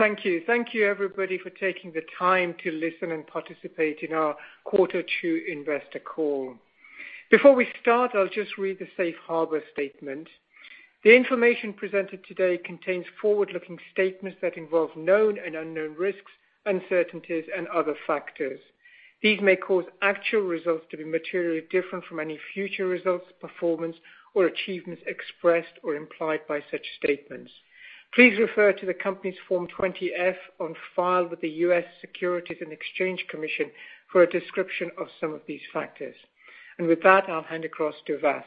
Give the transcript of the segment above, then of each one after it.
Thank you. Thank you everybody for taking the time to listen and participate in our Quarter Two investor call. Before we start, I'll just read the safe harbor statement. The information presented today contains forward-looking statements that involve known and unknown risks, uncertainties and other factors. These may cause actual results to be materially different from any future results, performance, or achievements expressed or implied by such statements. Please refer to the company's Form 20-F on file with the U.S. Securities and Exchange Commission for a description of some of these factors. With that, I'll hand across to Vas.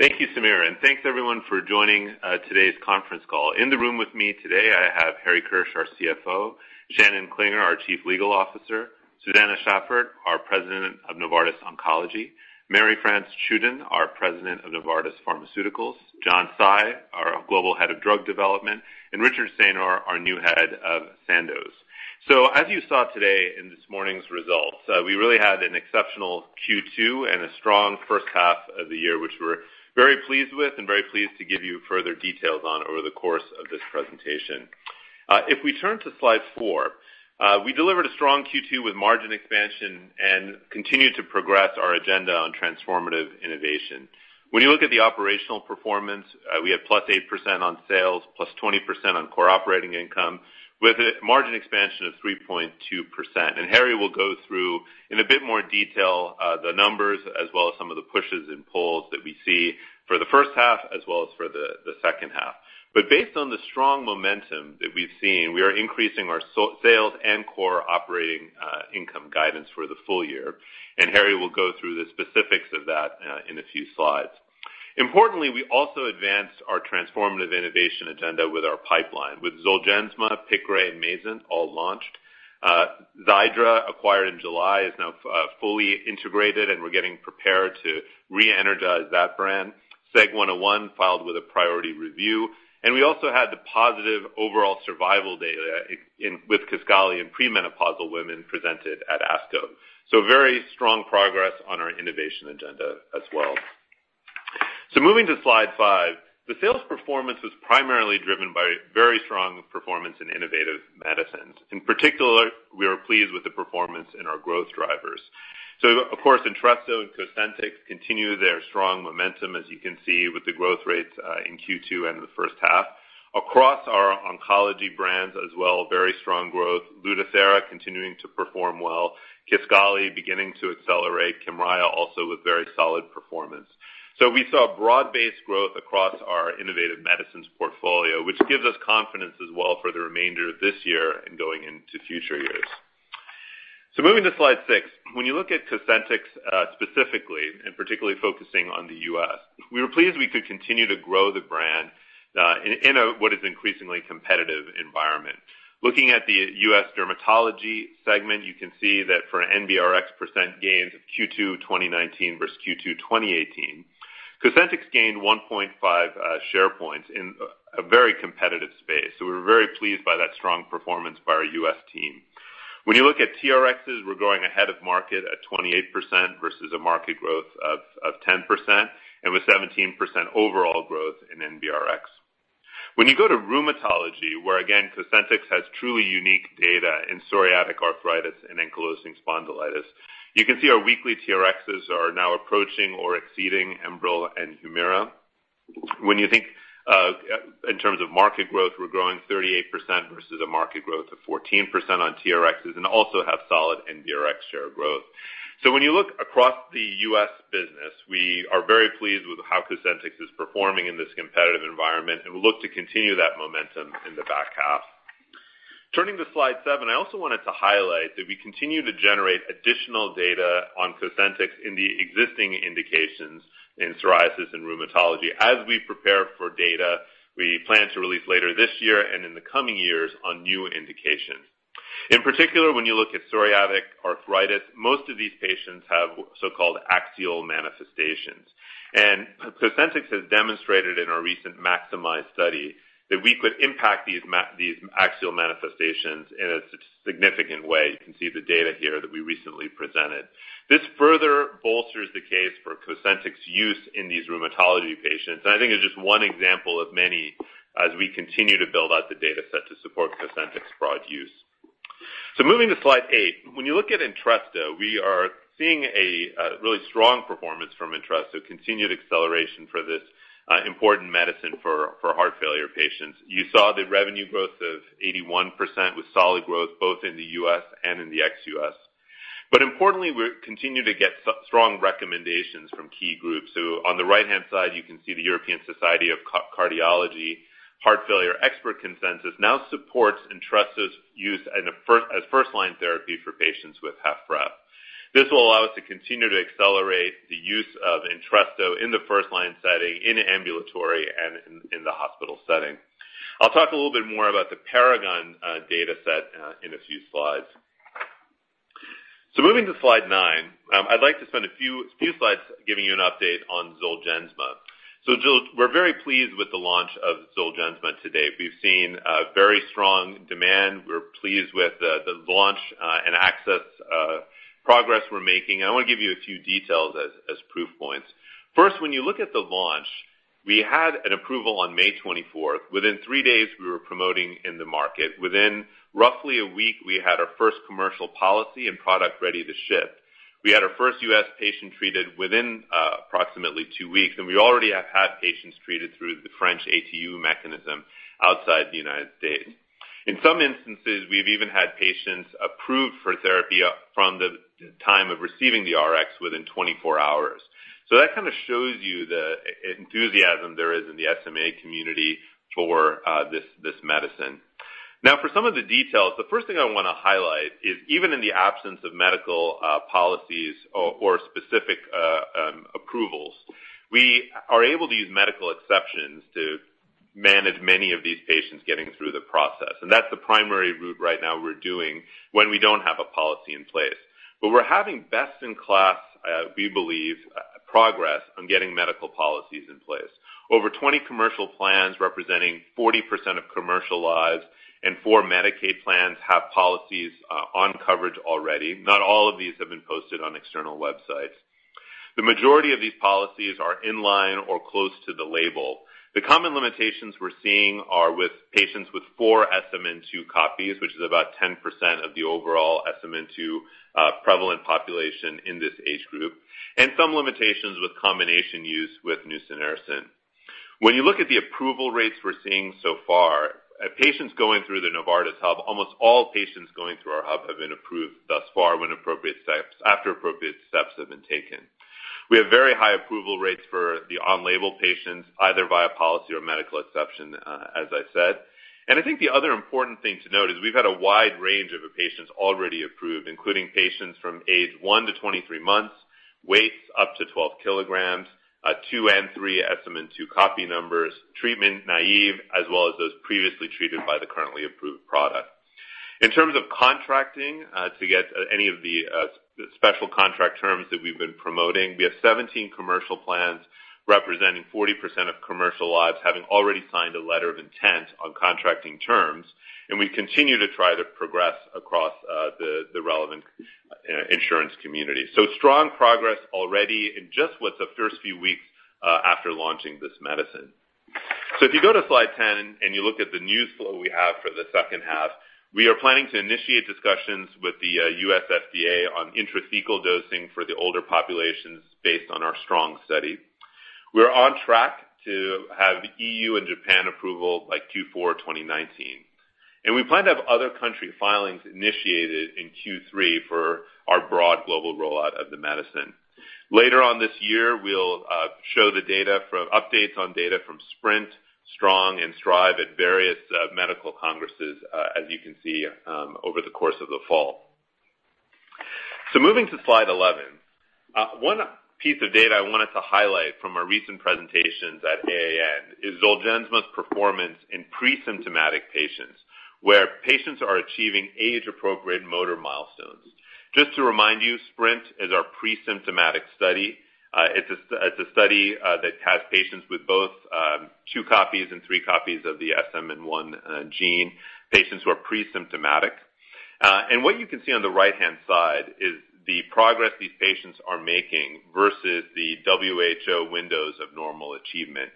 Thank you, Samir, and thanks everyone for joining today's conference call. In the room with me today, I have Harry Kirsch, our CFO, Shannon Klinger, our Chief Legal Officer, Susanne Schaffert, our President of Novartis Oncology, Marie-France Tschudin, our President of Novartis Pharmaceuticals, John Tsai, our Global Head of Drug Development, and Richard Saynor, our New Head of Sandoz. As you saw today in this morning's results, we really had an exceptional Q2 and a strong first half of the year, which we're very pleased with and very pleased to give you further details on over the course of this presentation. If we turn to slide four, we delivered a strong Q2 with margin expansion and continued to progress our agenda on transformative innovation. When you look at the operational performance, we had +8% on sales, +20% on core operating income with a margin expansion of 3.2%. Harry will go through in a bit more detail, the numbers as well as some of the pushes and pulls that we see for the first half as well as for the second half. Based on the strong momentum that we've seen, we are increasing our sales and core operating income guidance for the full year. Harry will go through the specifics of that in a few slides. Importantly, we also advanced our transformative innovation agenda with our pipeline with ZOLGENSMA, PIQRAY, and MAYZENT all launched. Xiidra acquired in July, is now fully integrated, and we're getting prepared to reenergize that brand. SEG101 filed with a priority review, and we also had the positive overall survival data with KISQALI in premenopausal women presented at ASCO. Very strong progress on our innovation agenda as well. Moving to slide five. The sales performance was primarily driven by very strong performance in innovative medicines. In particular, we are pleased with the performance in our growth drivers. Of course, Entresto and Cosentyx continue their strong momentum, as you can see with the growth rates in Q2 and in the first half. Across our oncology brands as well, very strong growth. LUTATHERA continuing to perform well, KISQALI beginning to accelerate, KYMRIAH also with very solid performance. We saw broad-based growth across our innovative medicines portfolio, which gives us confidence as well for the remainder of this year and going into future years. Moving to slide six. When you look at Cosentyx specifically, and particularly focusing on the U.S., we were pleased we could continue to grow the brand in what is an increasingly competitive environment. Looking at the U.S. dermatology segment, you can see that for NBRX % gains of Q2 2019 versus Q2 2018, Cosentyx gained 1.5 share points in a very competitive space. We were very pleased by that strong performance by our U.S. team. When you look at TRXs, we're growing ahead of market at 28% versus a market growth of 10%, and with 17% overall growth in NBRX. When you go to rheumatology, where again, Cosentyx has truly unique data in psoriatic arthritis and ankylosing spondylitis, you can see our weekly TRXs are now approaching or exceeding Enbrel and HUMIRA. When you think in terms of market growth, we're growing 38% versus a market growth of 14% on TRXs, and also have solid NBRX share growth. When you look across the U.S. business, we are very pleased with how Cosentyx is performing in this competitive environment, and we look to continue that momentum in the back half. Turning to slide seven, I also wanted to highlight that we continue to generate additional data on Cosentyx in the existing indications in psoriasis and rheumatology as we prepare for data we plan to release later this year and in the coming years on new indications. In particular, when you look at psoriatic arthritis, most of these patients have so-called axial manifestations. Cosentyx has demonstrated in our recent MAXIMISE study that we could impact these axial manifestations in a significant way. You can see the data here that we recently presented. This further bolsters the case for Cosentyx use in these rheumatology patients, and I think it's just one example of many as we continue to build out the dataset to support Cosentyx broad use. Moving to slide eight. When you look at Entresto, we are seeing a really strong performance from Entresto, continued acceleration for this important medicine for heart failure patients. You saw the revenue growth of 81% with solid growth both in the U.S. and in the ex-U.S. Importantly, we continue to get strong recommendations from key groups. On the right-hand side, you can see the European Society of Cardiology heart failure expert consensus now supports Entresto's use as first-line therapy for patients with HFrEF. This will allow us to continue to accelerate the use of Entresto in the first-line setting in ambulatory and in the hospital setting. I'll talk a little bit more about the PARAGON dataset in a few slides. Moving to slide nine. I'd like to spend a few slides giving you an update on ZOLGENSMA. We're very pleased with the launch of ZOLGENSMA to date. We've seen very strong demand. We're pleased with the launch and access progress we're making. I want to give you a few details as proof points. First, when you look at the launch, we had an approval on May 24th. Within three days, we were promoting in the market. Within roughly a week, we had our first commercial policy and product ready to ship. We had our first U.S. patient treated within approximately two weeks, and we already have had patients treated through the French ATU mechanism outside the United States. In some instances, we've even had patients approved for therapy from the time of receiving the Rx within 24 hours. That kind of shows you the enthusiasm there is in the SMA community for this medicine. For some of the details, the first thing I want to highlight is even in the absence of medical policies or specific approvals, we are able to use medical exceptions to manage many of these patients getting through the process, and that's the primary route right now we're doing when we don't have a policy in place. We're having best in class, we believe, progress on getting medical policies in place. Over 20 commercial plans representing 40% of commercial lives and 4 Medicaid plans have policies on coverage already. Not all of these have been posted on external websites. The majority of these policies are in line or close to the label. The common limitations we're seeing are with patients with four SMN2 copies, which is about 10% of the overall SMN2 prevalent population in this age group, and some limitations with combination use with nusinersen. You look at the approval rates we're seeing so far, patients going through the Novartis hub, almost all patients going through our hub have been approved thus far after appropriate steps have been taken. We have very high approval rates for the on-label patients, either via policy or medical exception, as I said. I think the other important thing to note is we've had a wide range of patients already approved, including patients from age 1 to 23 months, weights up to 12 kg, two and three SMN2 copy numbers, treatment naive, as well as those previously treated by the currently approved product. In terms of contracting to get any of the special contract terms that we've been promoting, we have 17 commercial plans representing 40% of commercial lives, having already signed a letter of intent on contracting terms, and we continue to try to progress across the relevant insurance community. Strong progress already in just what's the first few weeks after launching this medicine. If you go to slide 10 and you look at the news flow we have for the second half, we are planning to initiate discussions with the U.S. FDA on intrathecal dosing for the older populations based on our STRONG study. We're on track to have EU and Japan approval by Q4 2019. We plan to have other country filings initiated in Q3 for our broad global rollout of the medicine. Later on this year, we'll show updates on data from SPRINT, STRONG, and STRIVE at various medical congresses, as you can see over the course of the fall. Moving to slide 11. One piece of data I wanted to highlight from our recent presentations at AAN is ZOLGENSMA's performance in pre-symptomatic patients, where patients are achieving age-appropriate motor milestones. Just to remind you, SPRINT is our pre-symptomatic study. It's a study that has patients with both two copies and three copies of the SMN1 gene, patients who are pre-symptomatic. What you can see on the right-hand side is the progress these patients are making versus the WHO windows of normal achievement.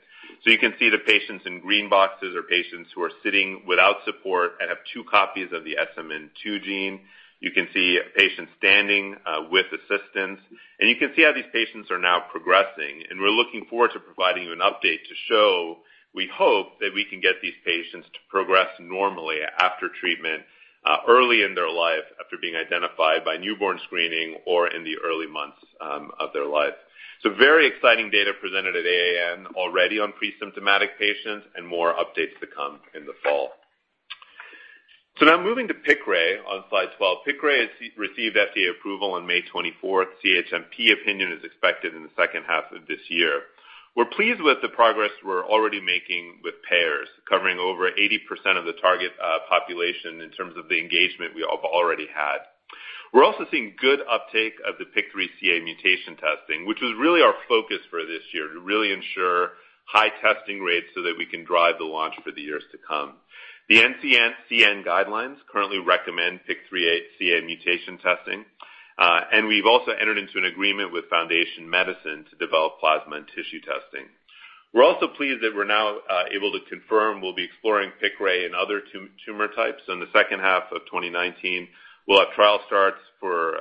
You can see the patients in green boxes are patients who are sitting without support and have two copies of the SMN2 gene. You can see a patient standing with assistance, and you can see how these patients are now progressing. We're looking forward to providing you an update to show, we hope, that we can get these patients to progress normally after treatment early in their life, after being identified by newborn screening or in the early months of their life. Very exciting data presented at AAN already on pre-symptomatic patients and more updates to come in the fall. Now moving to PIQRAY on slide 12. PIQRAY received FDA approval on May 24th. CHMP opinion is expected in the second half of this year. We're pleased with the progress we're already making with payers, covering over 80% of the target population in terms of the engagement we have already had. We're also seeing good uptake of the PIK3CA mutation testing, which was really our focus for this year, to really ensure high testing rates so that we can drive the launch for the years to come. The NCCN guidelines currently recommend PIK3CA mutation testing, and we've also entered into an agreement with Foundation Medicine to develop plasma and tissue testing. We're also pleased that we're now able to confirm we'll be exploring PIQRAY in other tumor types. In the second half of 2019, we'll have trial starts for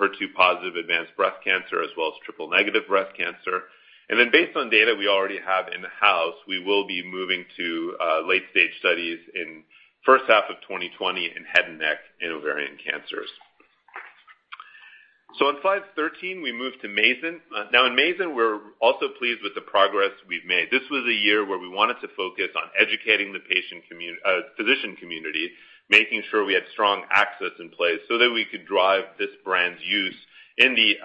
HER2 positive advanced breast cancer as well as triple-negative breast cancer. Based on data we already have in-house, we will be moving to late-stage studies in the first half of 2020 in head and neck and ovarian cancers. On slide 13, we move to MAYZENT. Now, in MAYZENT, we're also pleased with the progress we've made. This was a year where we wanted to focus on educating the physician community, making sure we had strong access in place so that we could drive this brand's use in the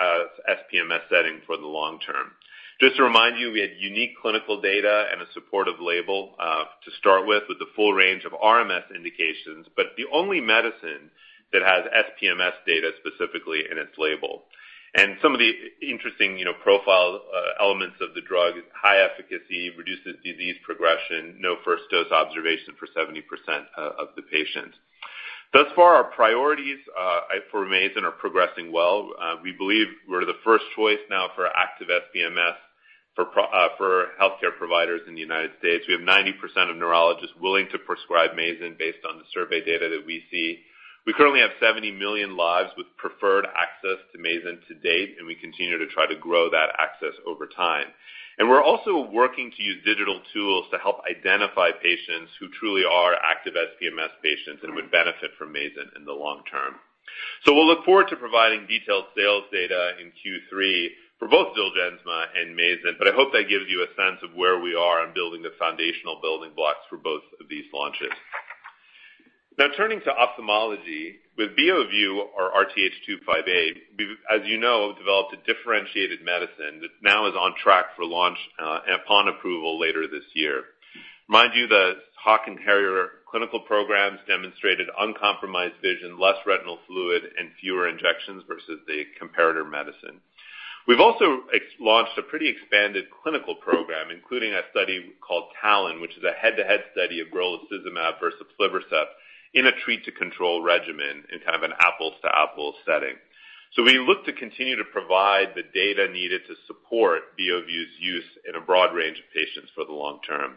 SPMS setting for the long term. Just to remind you, we had unique clinical data and a supportive label to start with, the full range of RMS indications, but the only medicine that has SPMS data specifically in its label. Some of the interesting profile elements of the drug, high efficacy, reduces disease progression, no first dose observation for 70% of the patients. Thus far, our priorities for MAYZENT are progressing well. We believe we're the first choice now for active SPMS for healthcare providers in the U.S. We have 90% of neurologists willing to prescribe MAYZENT based on the survey data that we see. We currently have 70 million lives with preferred access to MAYZENT to date, and we continue to try to grow that access over time. We're also working to use digital tools to help identify patients who truly are active SPMS patients and would benefit from MAYZENT in the long term. We'll look forward to providing detailed sales data in Q3 for both ZOLGENSMA and MAYZENT, I hope that gives you a sense of where we are in building the foundational building blocks for both of these launches. Turning to ophthalmology, with BEOVU or RTH258, we've, as you know, developed a differentiated medicine that now is on track for launch upon approval later this year. Mind you, the HAWK and HARRIER clinical programs demonstrated uncompromised vision, less retinal fluid, and fewer injections versus the comparator medicine. We've also launched a pretty expanded clinical program, including a study called TALON, which is a head-to-head study of brolucizumab versus aflibercept in a treat-to-control regimen in kind of an apples-to-apples setting. We look to continue to provide the data needed to support BEOVU's use in a broad range of patients for the long term.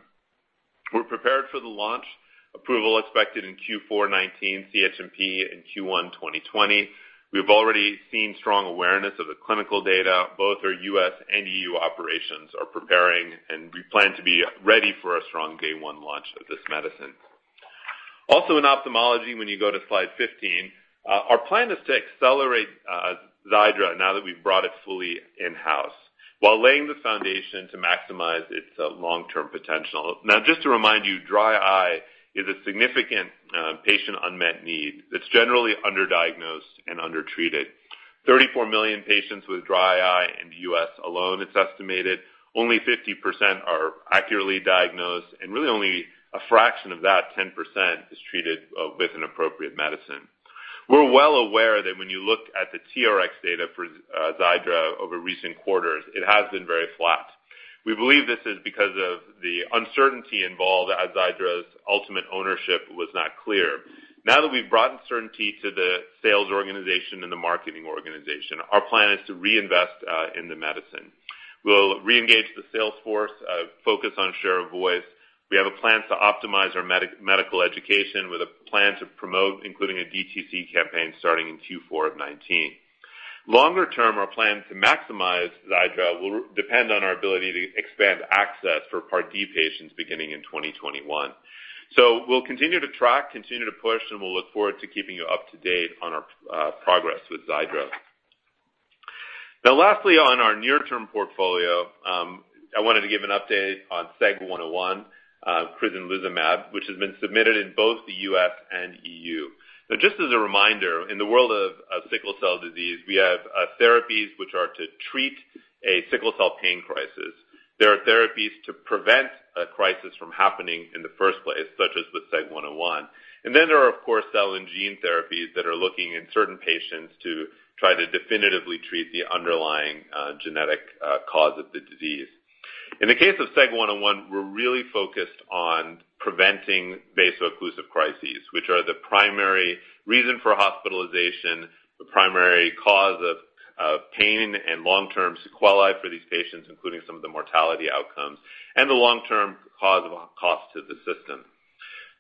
We're prepared for the launch, approval expected in Q4 2019, CHMP in Q1 2020. We've already seen strong awareness of the clinical data. Both our U.S. and EU operations are preparing, we plan to be ready for a strong day one launch of this medicine. In ophthalmology, when you go to slide 15, our plan is to accelerate Xiidra now that we've brought it fully in-house while laying the foundation to maximize its long-term potential. Just to remind you, dry eye is a significant patient unmet need that's generally under-diagnosed and under-treated. 34 million patients with dry eye in the U.S. alone, it's estimated. Only 50% are accurately diagnosed, and really only a fraction of that, 10%, is treated with an appropriate medicine. We're well aware that when you look at the TRxs data for Xiidra over recent quarters, it has been very flat. We believe this is because of the uncertainty involved as Xiidra's ultimate ownership was not clear. That we've brought certainty to the sales organization and the marketing organization, our plan is to reinvest in the medicine. We'll re-engage the sales force, focus on share of voice. We have a plan to optimize our medical education with a plan to promote, including a DTC campaign starting in Q4 2019. Longer term, our plan to maximize Xiidra will depend on our ability to expand access for Part D patients beginning in 2021. We'll continue to track, continue to push, and we'll look forward to keeping you up to date on our progress with Xiidra. Lastly, on our near-term portfolio, I wanted to give an update on SEG101, crizanlizumab, which has been submitted in both the U.S. and EU. Just as a reminder, in the world of sickle cell disease, we have therapies which are to treat a sickle cell pain crisis. There are therapies to prevent a crisis from happening in the first place, such as with SEG101. Then there are, of course, cell and gene therapies that are looking in certain patients to try to definitively treat the underlying genetic cause of the disease. In the case of SEG101, we're really focused on preventing vaso-occlusive crises, which are the primary reason for hospitalization, the primary cause of pain and long-term sequelae for these patients, including some of the mortality outcomes, and the long-term cause of cost to the system.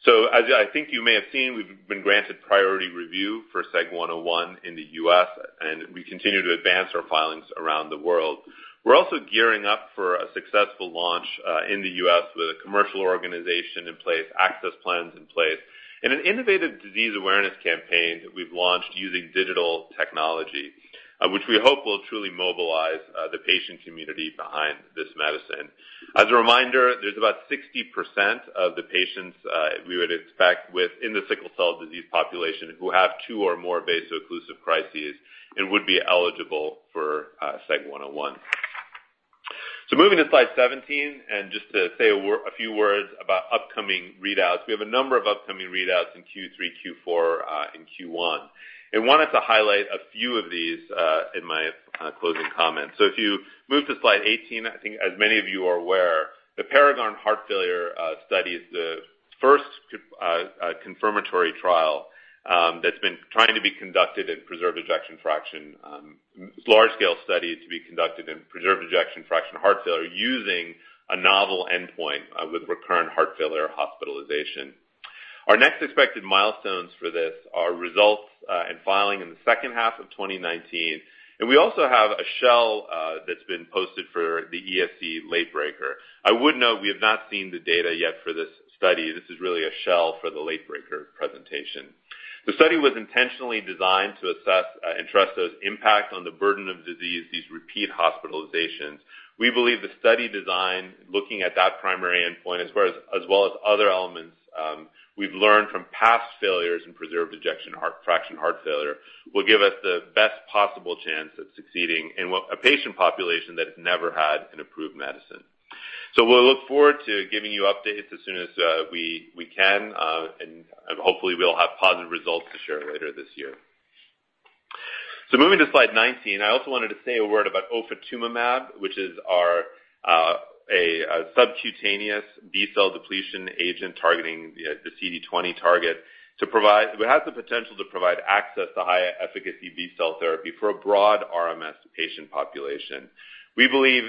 As I think you may have seen, we've been granted priority review for SEG101 in the U.S., and we continue to advance our filings around the world. We're also gearing up for a successful launch in the U.S. with a commercial organization in place, access plans in place, and an innovative disease awareness campaign that we've launched using digital technology, which we hope will truly mobilize the patient community behind this medicine. As a reminder, there's about 60% of the patients we would expect within the sickle cell disease population who have two or more vaso-occlusive crises and would be eligible for SEG101. Moving to slide 17 and just to say a few words about upcoming readouts. We have a number of upcoming readouts in Q3, Q4, and Q1, and wanted to highlight a few of these in my closing comments. If you move to slide 18, I think as many of you are aware, the PARAGON heart failure study is the first confirmatory trial that's been trying to be conducted in preserved ejection fraction. It's a large-scale study to be conducted in preserved ejection fraction heart failure using a novel endpoint with recurrent heart failure hospitalization. Our next expected milestones for this are results and filing in the second half of 2019. We also have a shell that's been posted for the ESC late breaker. I would note we have not seen the data yet for this study. This is really a shell for the late breaker presentation. The study was intentionally designed to assess Entresto's impact on the burden of disease, these repeat hospitalizations. We believe the study design, looking at that primary endpoint as well as other elements we've learned from past failures in preserved ejection fraction heart failure, will give us the best possible chance of succeeding in a patient population that has never had an approved medicine. So we'll look forward to giving you updates as soon as we can, and hopefully we'll have positive results to share later this year. Moving to slide 19, I also wanted to say a word about ofatumumab, which is our subcutaneous B-cell depletion agent targeting the CD20 target. It has the potential to provide access to high-efficacy B-cell therapy for a broad RMS patient population. We believe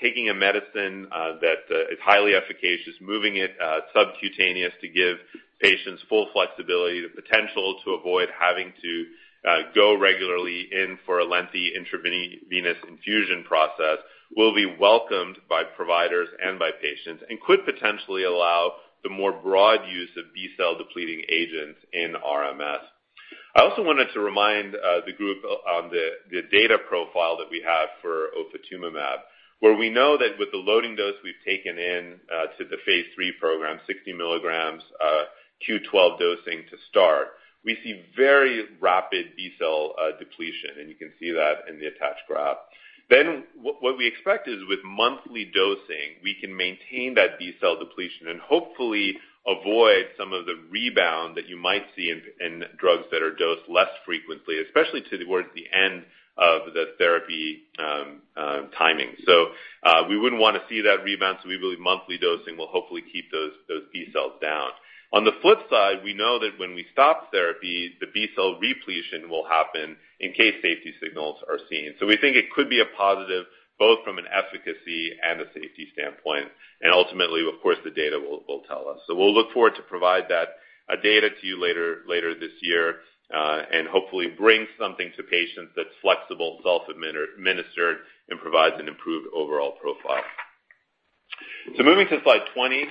taking a medicine that is highly efficacious, moving it subcutaneous to give patients full flexibility, the potential to avoid having to go regularly in for a lengthy intravenous infusion process, will be welcomed by providers and by patients and could potentially allow the more broad use of B-cell depleting agents in RMS. I also wanted to remind the group on the data profile that we have for ofatumumab, where we know that with the loading dose we've taken in to the phase III program, 60 mg Q12 dosing to start. We see very rapid B-cell depletion, and you can see that in the attached graph. What we expect is with monthly dosing, we can maintain that B-cell depletion and hopefully avoid some of the rebound that you might see in drugs that are dosed less frequently, especially towards the end of the therapy timing. We wouldn't want to see that rebound, we believe monthly dosing will hopefully keep those B-cells down. On the flip side, we know that when we stop therapy, the B-cell repletion will happen in case safety signals are seen. We think it could be a positive both from an efficacy and a safety standpoint. Ultimately, of course, the data will tell us. We'll look forward to provide that data to you later this year and hopefully bring something to patients that's flexible, self-administered, and provides an improved overall profile. Moving to slide 20.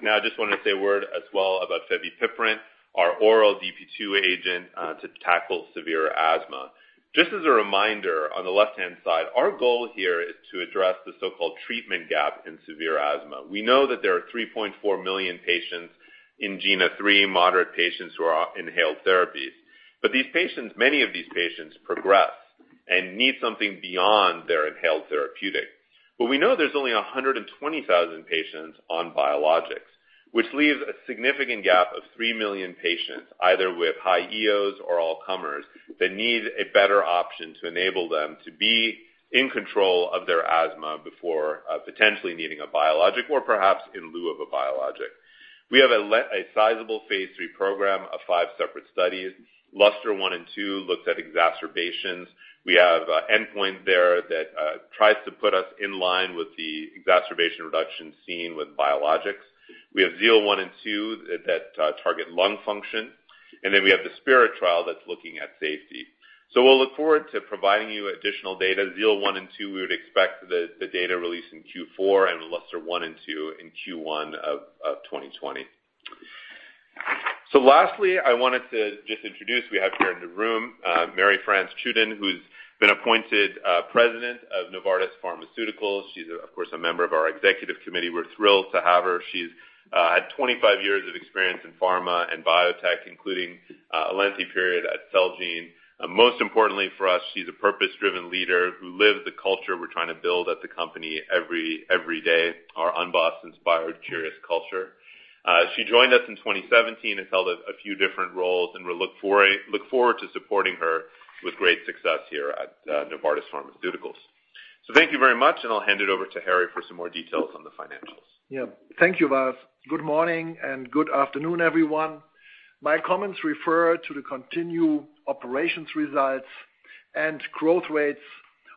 Now I just wanted to say a word as well about fevipiprant, our oral DP2 agent to tackle severe asthma. Just as a reminder on the left-hand side, our goal here is to address the so-called treatment gap in severe asthma. We know that there are 3.4 million patients in GINA 3, moderate patients who are on inhaled therapies. Many of these patients progress and need something beyond their inhaled therapeutic. We know there's only 120,000 patients on biologics, which leaves a significant gap of three million patients either with high eos or all comers that need a better option to enable them to be in control of their asthma before potentially needing a biologic or perhaps in lieu of a biologic. We have a sizable phase III program of five separate studies. LUSTER 1 and 2 looks at exacerbations. We have an endpoint there that tries to put us in line with the exacerbation reduction seen with biologics. We have ZEAL 1 and 2 that target lung function. We have the SPIRIT trial that's looking at safety. We'll look forward to providing you additional data. ZEAL 1 and 2, we would expect the data release in Q4 and LUSTER 1 and 2 in Q1 of 2020. Lastly, I wanted to just introduce, we have here in the room Marie-France Tschudin, who's been appointed President of Novartis Pharmaceuticals. She's, of course, a member of our executive committee. We're thrilled to have her. She's had 25 years of experience in pharma and biotech, including a lengthy period at Celgene. Most importantly for us, she's a purpose-driven leader who lives the culture we're trying to build at the company every day. Our unbossed, inspired, curious culture. She joined us in 2017 and held a few different roles, we look forward to supporting her with great success here at Novartis Pharmaceuticals. Thank you very much, and I'll hand it over to Harry for some more details on the financials. Thank you, Vas. Good morning and good afternoon, everyone. My comments refer to the continued operations results and growth rates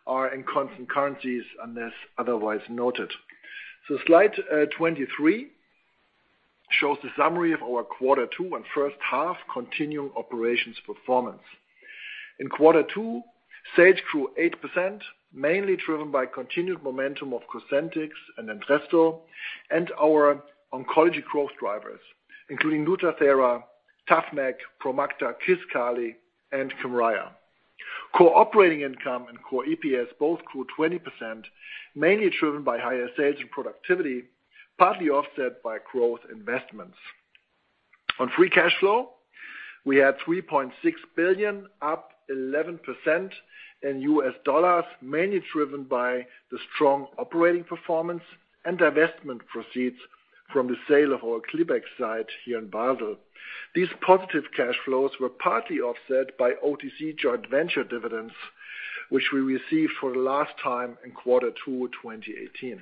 are in constant currencies unless otherwise noted. Slide 23 shows the summary of our quarter two and first half continuing operations performance. In quarter two, sales grew 8%, mainly driven by continued momentum of Cosentyx and Entresto and our oncology growth drivers, including LUTATHERA, Taf/Mek, Promacta, KISQALI and KYMRIAH. Core operating income and core EPS both grew 20%, mainly driven by higher sales and productivity, partly offset by growth investments. On free cash flow, we had $3.6 billion, up 11% in U.S. dollars, mainly driven by the strong operating performance and divestment proceeds from the sale of our Klybeck site here in Basel. These positive cash flows were partly offset by OTC joint venture dividends, which we received for the last time in quarter two 2018.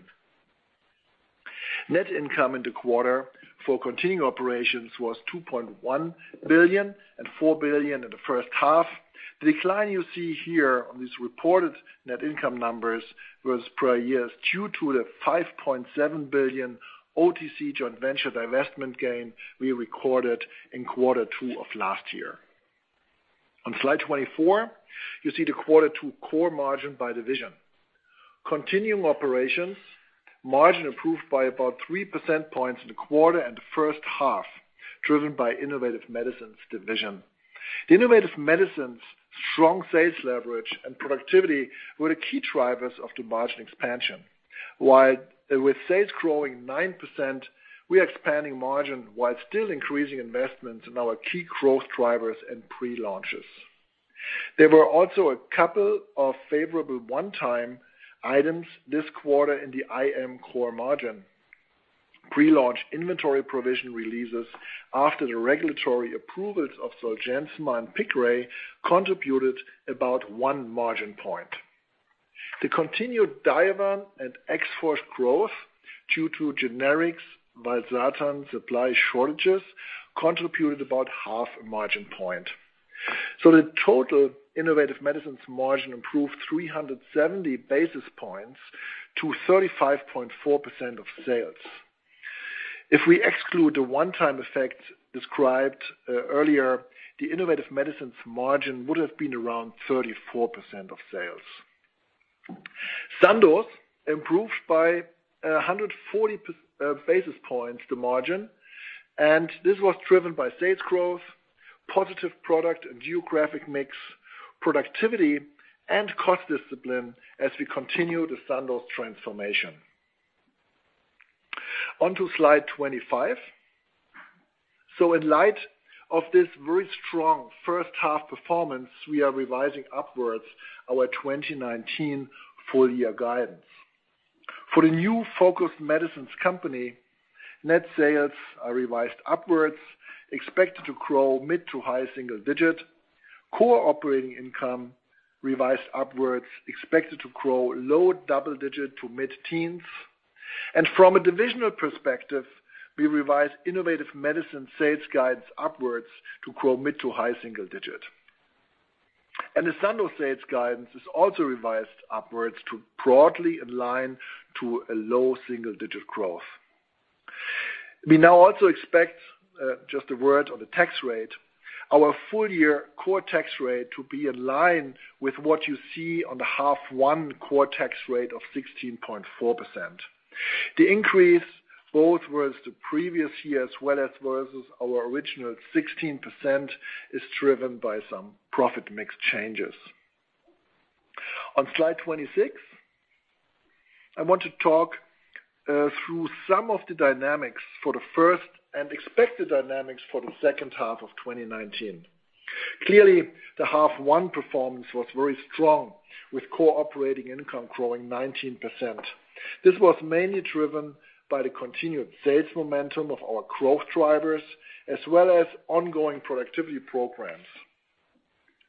Net income in the quarter for continuing operations was $2.1 billion and $4 billion in the first half. The decline you see here on these reported net income numbers was prior year due to the $5.7 billion OTC joint venture divestment gain we recorded in Q2 of last year. On slide 24, you see the Q2 core margin by division. Continuing operations margin improved by about 3 percentage points in the quarter and the first half driven by Innovative Medicines division. The Innovative Medicines' strong sales leverage and productivity were the key drivers of the margin expansion. With sales growing 9%, we are expanding margin while still increasing investments in our key growth drivers and pre-launches. There were also a couple of favorable one-time items this quarter in the IM core margin. Pre-launch inventory provision releases after the regulatory approvals of ZOLGENSMA and PIQRAY contributed about one margin point. The continued DIOVAN and Exforge growth to two generics by valsartan supply shortages contributed about half a margin point. The total Innovative Medicines margin improved 370 basis points to 35.4% of sales. If we exclude the one-time effect described earlier, the Innovative Medicines margin would have been around 34% of sales. Sandoz improved by 140 basis points the margin, this was driven by sales growth, positive product and geographic mix, productivity and cost discipline as we continue the Sandoz transformation. On to slide 25. In light of this very strong first half performance, we are revising upwards our 2019 full year guidance. For the new focused medicines company, net sales are revised upwards, expected to grow mid to high single digit. Core operating income revised upwards, expected to grow low double digit to mid-teens. From a divisional perspective, we revised Innovative Medicines sales guidance upwards to grow mid to high single digit. The Sandoz sales guidance is also revised upwards to broadly align to a low single digit growth. We now also expect, just a word on the tax rate, our full year core tax rate to be in line with what you see on the half one core tax rate of 16.4%. The increase both was the previous year as well as versus our original 16%, is driven by some profit mix changes. On slide 26, I want to talk through some of the dynamics for the first and expected dynamics for the second half of 2019. Clearly, the half one performance was very strong, with core operating income growing 19%. This was mainly driven by the continued sales momentum of our growth drivers as well as ongoing productivity programs.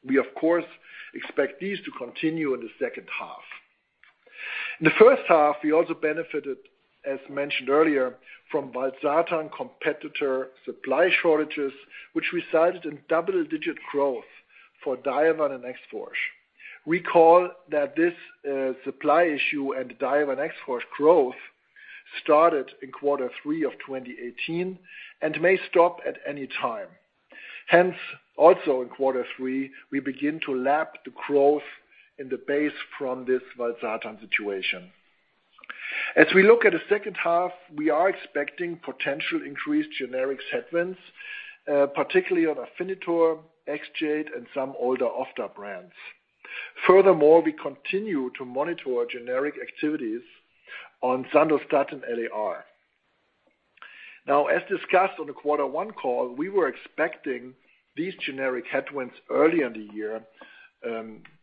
We of course, expect these to continue in the second half. In the first half, we also benefited, as mentioned earlier, from valsartan competitor supply shortages, which resulted in double digit growth for DIOVAN and Exforge. Recall that this supply issue and DIOVAN and Exforge growth started in Q3 of 2018 and may stop at any time. Hence, also in Q3, we begin to lap the growth in the base from this valsartan situation. As we look at the second half, we are expecting potential increased generic headwinds, particularly on AFINITOR, Exjade and some older offter brands. Furthermore, we continue to monitor generic activities on SANDOSTATIN LAR. As discussed on the Q1 call, we were expecting these generic headwinds early in the year,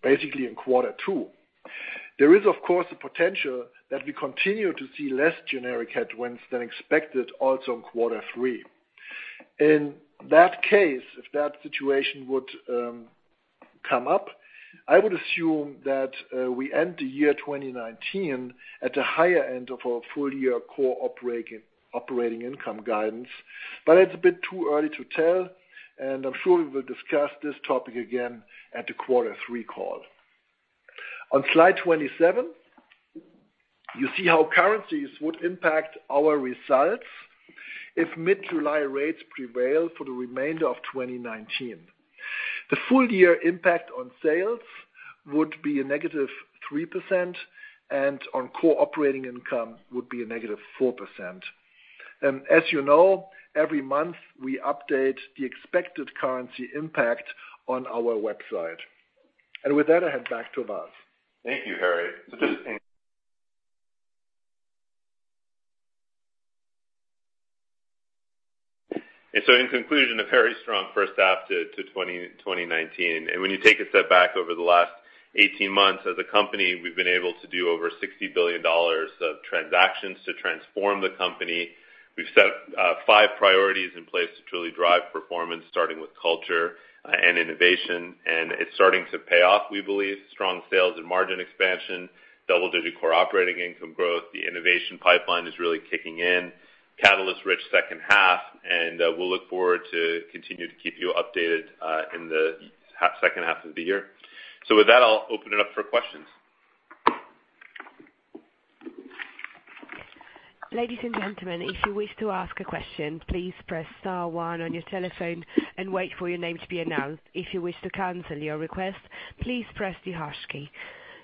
basically in Q2. There is, of course, a potential that we continue to see less generic headwinds than expected also in quarter three. In that case, if that situation would come up, I would assume that we end the year 2019 at the higher end of our full year core operating income guidance. But it's a bit too early to tell, and I'm sure we will discuss this topic again at the quarter three call. On slide 27, you see how currencies would impact our results if mid-July rates prevail for the remainder of 2019. The full year impact on sales would be a negative 3% and on core operating income would be a negative 4%. As you know, every month we update the expected currency impact on our website. With that, I hand back to Vas. Thank you, Harry. In conclusion, a very strong first half to 2019. When you take a step back over the last 18 months as a company, we've been able to do over $60 billion of transactions to transform the company. We've set five priorities in place to truly drive performance, starting with culture and innovation, and it's starting to pay off we believe. Strong sales and margin expansion, double-digit core operating income growth. The innovation pipeline is really kicking in. Catalyst rich second half, and we'll look forward to continue to keep you updated in the second half of the year. With that, I'll open it up for questions. Ladies and gentlemen, if you wish to ask a question, please press star one on your telephone and wait for your name to be announced. If you wish to cancel your request, please press the hash key.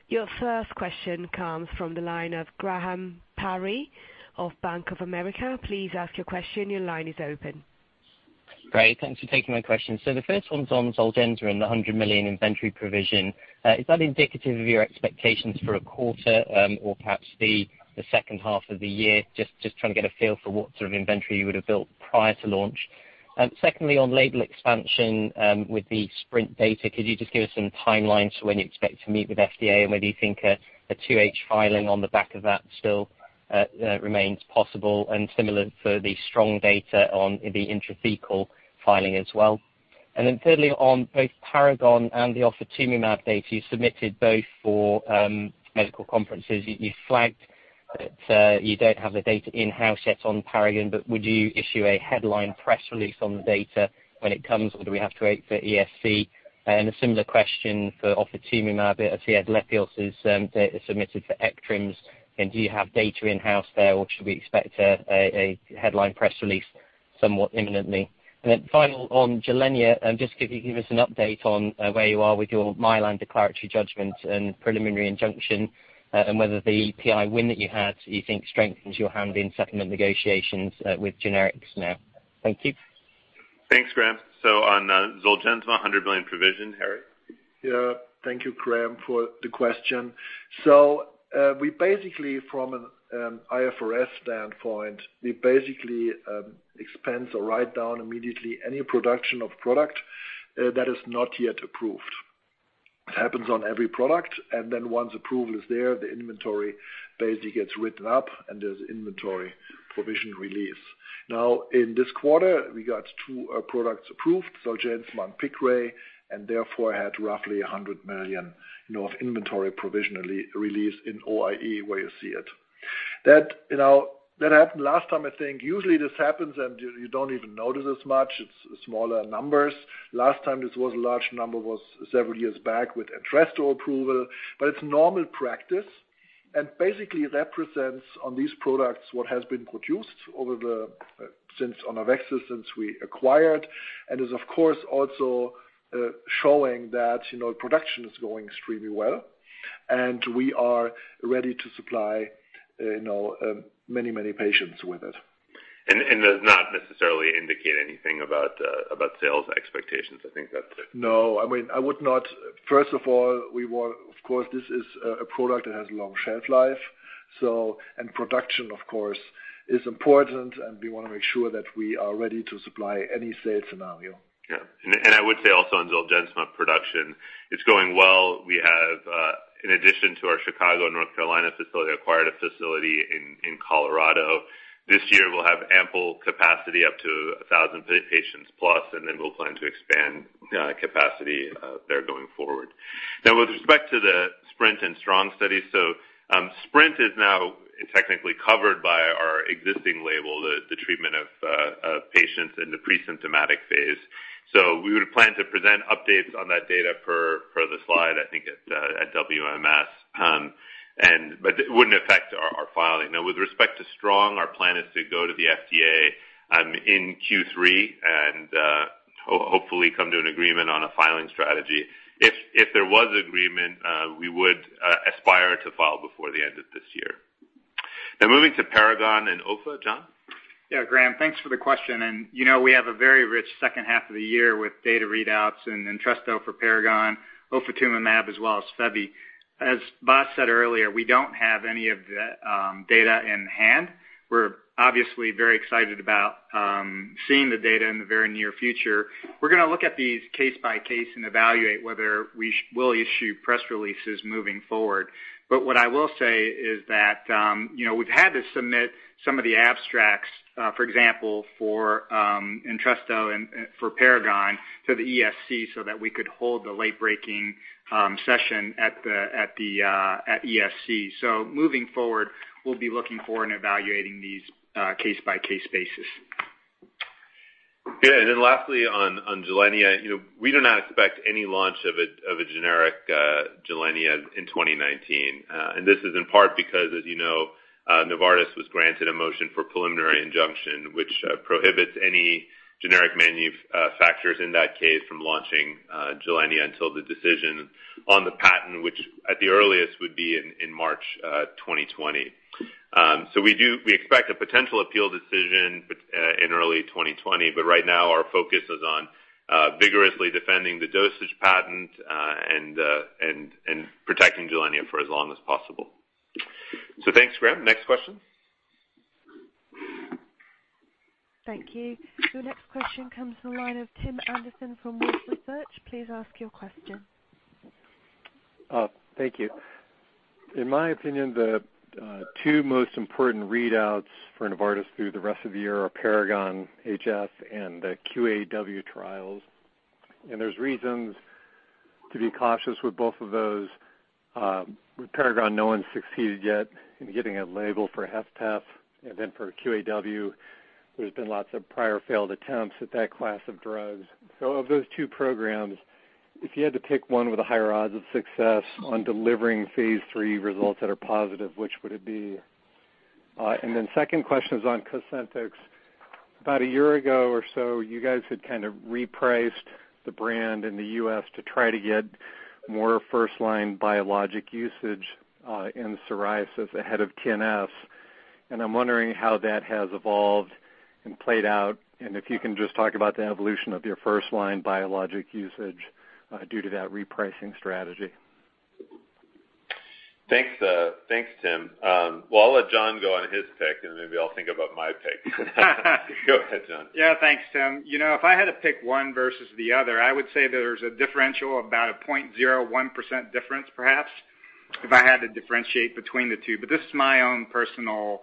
Your first question comes from the line of Graham Parry of Bank of America. Please ask your question. Your line is open. Great. Thanks for taking my question. The first one's on ZOLGENSMA and the $100 million inventory provision. Is that indicative of your expectations for a quarter or perhaps the second half of the year? Just trying to get a feel for what sort of inventory you would have built prior to launch. And secondly, on label expansion with the SPRINT data, could you just give us some timelines for when you expect to meet with FDA? And whether you think a two filing on the back of that still remains possible and similar for the STRONG data on the intrathecal filing as well? Thirdly, on both PARAGON and the ofatumumab data you submitted both for medical conferences, you flagged that you don't have the data in-house yet on PARAGON, but would you issue a headline press release on the data when it comes, or do we have to wait for ESC? A similar question for ofatumumab, I see idelalisib data submitted for ECTRIMS, and do you have data in-house there or should we expect a headline press release somewhat imminently? Final on GILENYA, could you give us an update on where you are with your Mylan declaratory judgment and preliminary injunction? Whether the PI win that you had, you think strengthens your hand in settlement negotiations with generics now. Thank you. Thanks, Graham. On ZOLGENSMA $100 million provision, Harry? Thank you, Graham, for the question. From an IFRS standpoint, we basically expense or write down immediately any production of product that is not yet approved. It happens on every product. Once approval is there, the inventory basically gets written up and there's inventory provision release. In this quarter, we got two products approved, ZOLGENSMA and PIQRAY, and therefore had roughly $100 million inventory provisionally released in OIE where you see it. That happened last time, I think. Usually this happens and you don't even notice as much. It's smaller numbers. Last time this was a large number was several years back with Entresto approval. It's normal practice and basically represents on these products what has been produced on AveXis since we acquired and is of course also showing that production is going extremely well and we are ready to supply many patients with it. Does not necessarily indicate anything about sales expectations. I think that's it. No. First of all, of course, this is a product that has long shelf life. Production, of course, is important and we want to make sure that we are ready to supply any sales scenario. I would say also on ZOLGENSMA production, it's going well. We have in addition to our Chicago and North Carolina facility, acquired a facility in Colorado. This year we'll have ample capacity up to 1,000 patients plus and then we'll plan to expand capacity there going forward. With respect to the SPRINT and STRONG studies, SPRINT is now technically covered by our existing label, the treatment of patients in the pre-symptomatic phase. We would plan to present updates on that data per the slide, I think at WMS. It wouldn't affect our filing. With respect to STRONG, our plan is to go to the FDA in Q3 and hopefully come to an agreement on a filing strategy. If there was agreement, we would aspire to file before the end of this year. Moving to PARAGON and OFA, John? Graham, thanks for the question. We have a very rich second half of the year with data readouts and Entresto for PARAGON, ofatumumab as well as Fevi. As Vas said earlier, we don't have any of the data in hand. We're obviously very excited about seeing the data in the very near future. We're going to look at these case by case and evaluate whether we will issue press releases moving forward. What I will say is that we've had to submit some of the abstracts, for example, for Entresto and for PARAGON to the ESC so that we could hold the late-breaking session at ESC. Moving forward, we'll be looking for and evaluating these case by case basis. Lastly on GILENYA, we do not expect any launch of a generic GILENYA in 2019. This is in part because, as you know Novartis was granted a motion for preliminary injunction, which prohibits any generic manufacturers in that case from launching GILENYA until the decision on the patent, which at the earliest would be in March 2020. We expect a potential appeal decision in early 2020, but right now our focus is on vigorously defending the dosage patent and protecting GILENYA for as long as possible. Thanks, Graham. Next question. Thank you. Your next question comes from the line of Tim Anderson from Wolfe Research. Please ask your question. Thank you. In my opinion, the two most important readouts for Novartis through the rest of the year are PARAGON-HF and the QAW039 trials. There's reasons to be cautious with both of those. With PARAGON, no one's succeeded yet in getting a label for HFpEF. For QAW039, there's been lots of prior failed attempts at that class of drugs. Of those two programs, if you had to pick one with a higher odds of success on delivering phase III results that are positive, which would it be? Second question is on Cosentyx. About a year ago or so, you guys had kind of repriced the brand in the U.S. to try to get more first-line biologic usage in psoriasis ahead of TNF. I'm wondering how that has evolved and played out, and if you can just talk about the evolution of your first-line biologic usage due to that repricing strategy. Thanks, Tim. Well, I'll let John go on his pick and maybe I'll think about my pick. Go ahead, John. Yeah. Thanks, Tim. If I had to pick one versus the other, I would say there's a differential about a 0.01% difference, perhaps, if I had to differentiate between the two. This is my own personal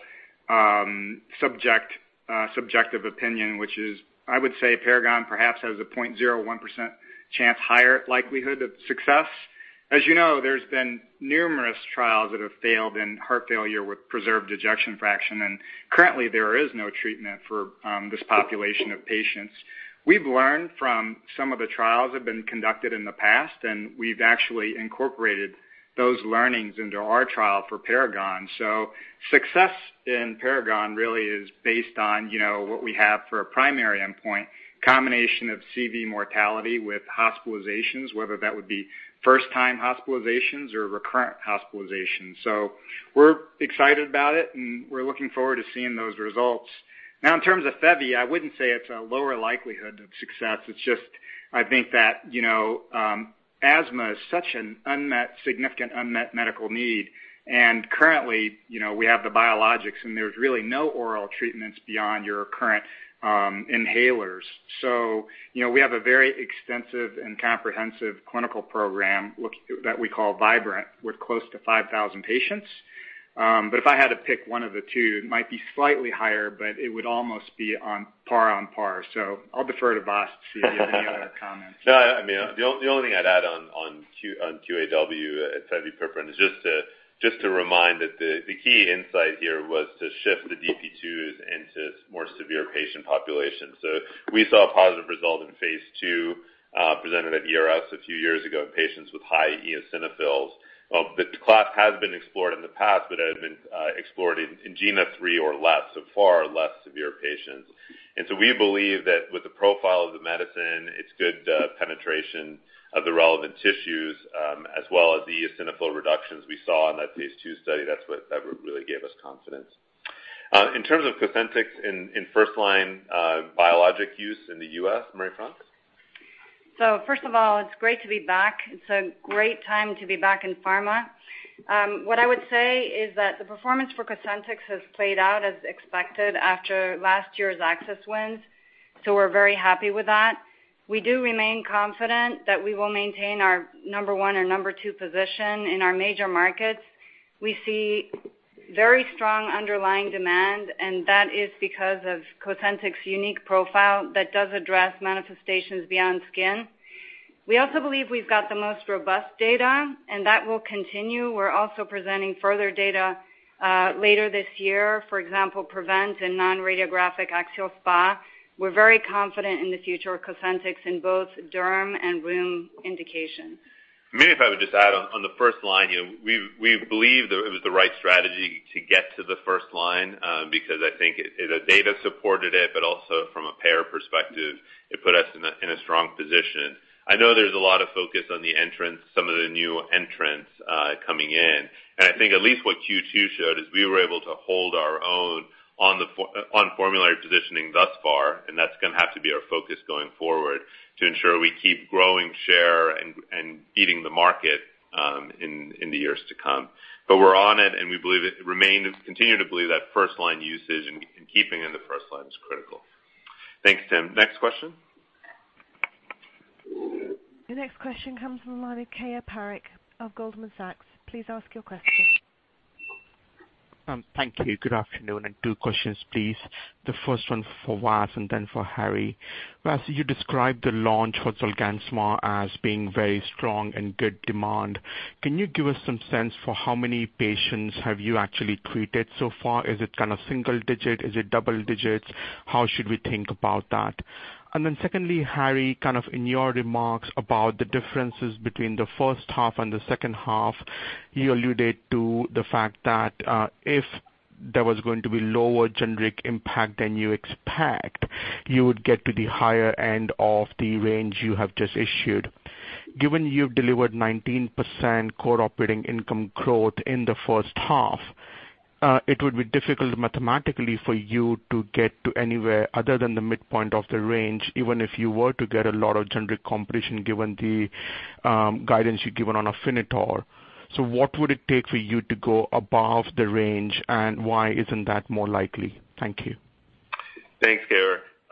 subjective opinion, which is, I would say PARAGON perhaps has a 0.01% chance higher likelihood of success. As you know, there's been numerous trials that have failed in heart failure with preserved ejection fraction, and currently there is no treatment for this population of patients. We've learned from some of the trials that have been conducted in the past, and we've actually incorporated those learnings into our trial for PARAGON. Success in PARAGON really is based on what we have for a primary endpoint combination of CV mortality with hospitalizations, whether that would be first-time hospitalizations or recurrent hospitalizations. We're excited about it and we're looking forward to seeing those results. Now, in terms of Fevi, I wouldn't say it's a lower likelihood of success. It's just, I think that asthma is such a significant unmet medical need, and currently, we have the biologics and there's really no oral treatments beyond your current inhalers. We have a very extensive and comprehensive clinical program, look that we call VIBRANT, with close to 5,000 patients. If I had to pick one of the two, it might be slightly higher, but it would almost be on par. I'll defer to Vas to see if he has any other comments. No, the only thing I'd add on QAW039, teduglutide is just to remind that the key insight here was to shift the DP2s into more severe patient populations. We saw a positive result in phase II, presented at ERS a few years ago in patients with high eosinophils. Well, the class has been explored in the past, but it had been explored in GINA 3 or less, so far less severe patients. We believe that with the profile of the medicine, its good penetration of the relevant tissues, as well as the eosinophil reductions we saw in that phase II study, that's what really gave us confidence. In terms of Cosentyx in first-line biologic use in the U.S., Marie-France? First of all, it's great to be back. It's a great time to be back in pharma. What I would say is that the performance for Cosentyx has played out as expected after last year's access wins, so we're very happy with that. We do remain confident that we will maintain our number one or number two position in our major markets. We see very strong underlying demand, and that is because of Cosentyx's unique profile that does address manifestations beyond skin. We also believe we've got the most robust data, and that will continue. We're also presenting further data later this year. For example, PREVENT and non-radiographic axial SpA. We're very confident in the future of Cosentyx in both derm and rheum indication. Maybe if I would just add on the first line, we believe that it was the right strategy to get to the first line, because I think the data supported it, but also from a payer perspective, it put us in a strong position. I know there's a lot of focus on some of the new entrants coming in. I think at least what Q2 showed is we were able to hold our own on formulary positioning thus far, and that's going to have to be our focus going forward to ensure we keep growing share and beating the market in the years to come. We're on it, and we continue to believe that first line usage and keeping in the first line is critical. Thanks, Tim. Next question. The next question comes from the line of Keyur Parekh of Goldman Sachs. Please ask your question. Thank you. Good afternoon, two questions, please. The first one for Vas and then for Harry. Vas, you described the launch for Zolgensma as being very strong and good demand. Can you give us some sense for how many patients have you actually treated so far? Is it kind of single digit? Is it double digits? How should we think about that? Then secondly, Harry, in your remarks about the differences between the first half and the second half, you alluded to the fact that, if there was going to be lower generic impact than you expect, you would get to the higher end of the range you have just issued. Given you've delivered 19% core operating income growth in the first half, it would be difficult mathematically for you to get to anywhere other than the midpoint of the range, even if you were to get a lot of generic competition, given the guidance you've given on AFINITOR. What would it take for you to go above the range, and why isn't that more likely? Thank you. Thanks,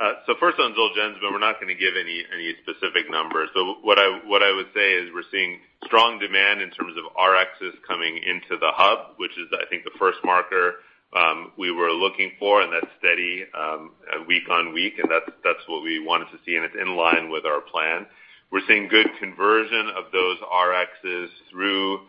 Keyur. First on ZOLGENSMA, we're not going to give any specific numbers. What I would say is we're seeing strong demand in terms of Rx's coming into the hub, which is I think the first marker we were looking for, and that's steady week on week, and that's what we wanted to see, and it's in line with our plan. We're seeing good conversion of those Rx's through the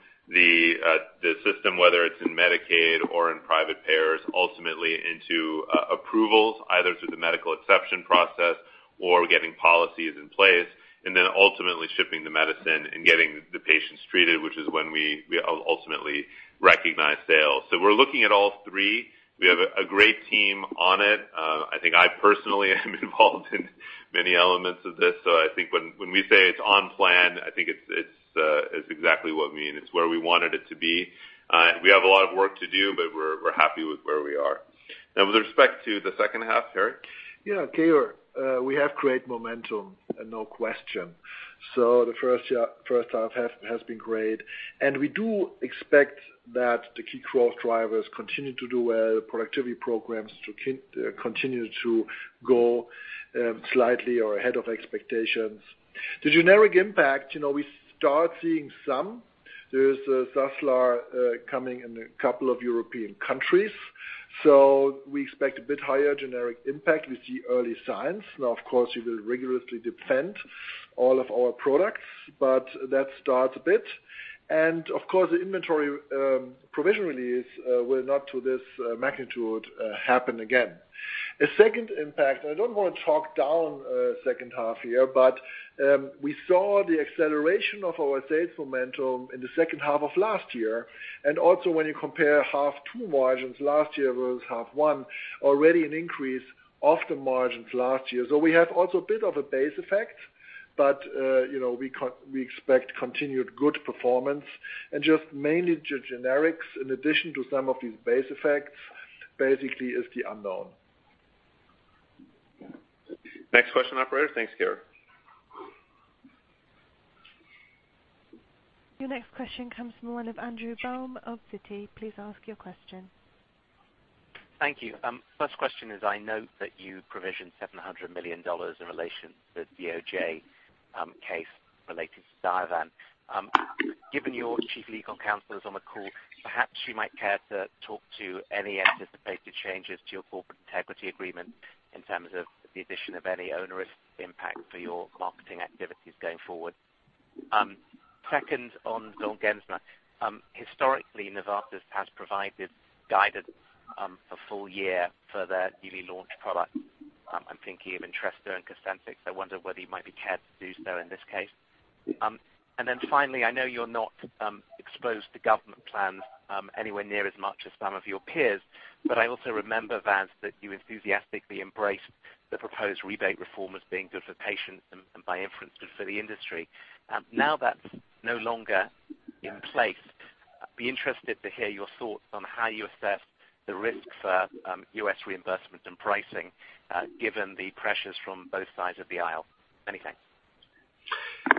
system, whether it's in Medicaid or in private payers, ultimately into approvals, either through the medical exception process or getting policies in place, and then ultimately shipping the medicine and getting the patients treated, which is when we ultimately recognize sales. We're looking at all three. We have a great team on it. I think I personally am involved in many elements of this, I think when we say it's on plan, I think it's exactly what we mean. It's where we wanted it to be. We have a lot of work to do, but we're happy with where we are. Now, with respect to the second half, Harry? Yeah, Keyur. We have great momentum, no question. The first half has been great, and we do expect that the key growth drivers continue to do well, productivity programs to continue to go slightly or ahead of expectations. The generic impact, we start seeing some. There's Saslar coming in a couple of European countries. We expect a bit higher generic impact with the early signs. Now, of course, we will rigorously defend all of our products, but that starts a bit. Of course, the inventory provision release will not, to this magnitude, happen again. A second impact, I don't want to talk down second half here, but we saw the acceleration of our sales momentum in the second half of last year. Also when you compare half two margins last year versus half one, already an increase off the margins last year. We have also a bit of a base effect. We expect continued good performance and just mainly generics in addition to some of these base effects, basically is the unknown. Next question, operator. Thanks, Keyur. Your next question comes from the line of Andrew Baum of Citi. Please ask your question. Thank you. First question is, I note that you provisioned $700 million in relation to the DOJ case related to DIOVAN. Given your Chief Legal Counsel is on the call, perhaps you might care to talk to any anticipated changes to your corporate integrity agreement in terms of the addition of any onerous impact for your marketing activities going forward. Second, on ZOLGENSMA. Historically, Novartis has provided guidance for full year for their newly launched product. I'm thinking of Entresto and Cosentyx. I wonder whether you might be cared to do so in this case. Finally, I know you're not exposed to government plans anywhere near as much as some of your peers, but I also remember, Vas, that you enthusiastically embraced the proposed rebate reform as being good for patients and by inference, good for the industry. Now that's no longer in place. I'd be interested to hear your thoughts on how you assess the risk for U.S. reimbursement and pricing, given the pressures from both sides of the aisle. Many thanks.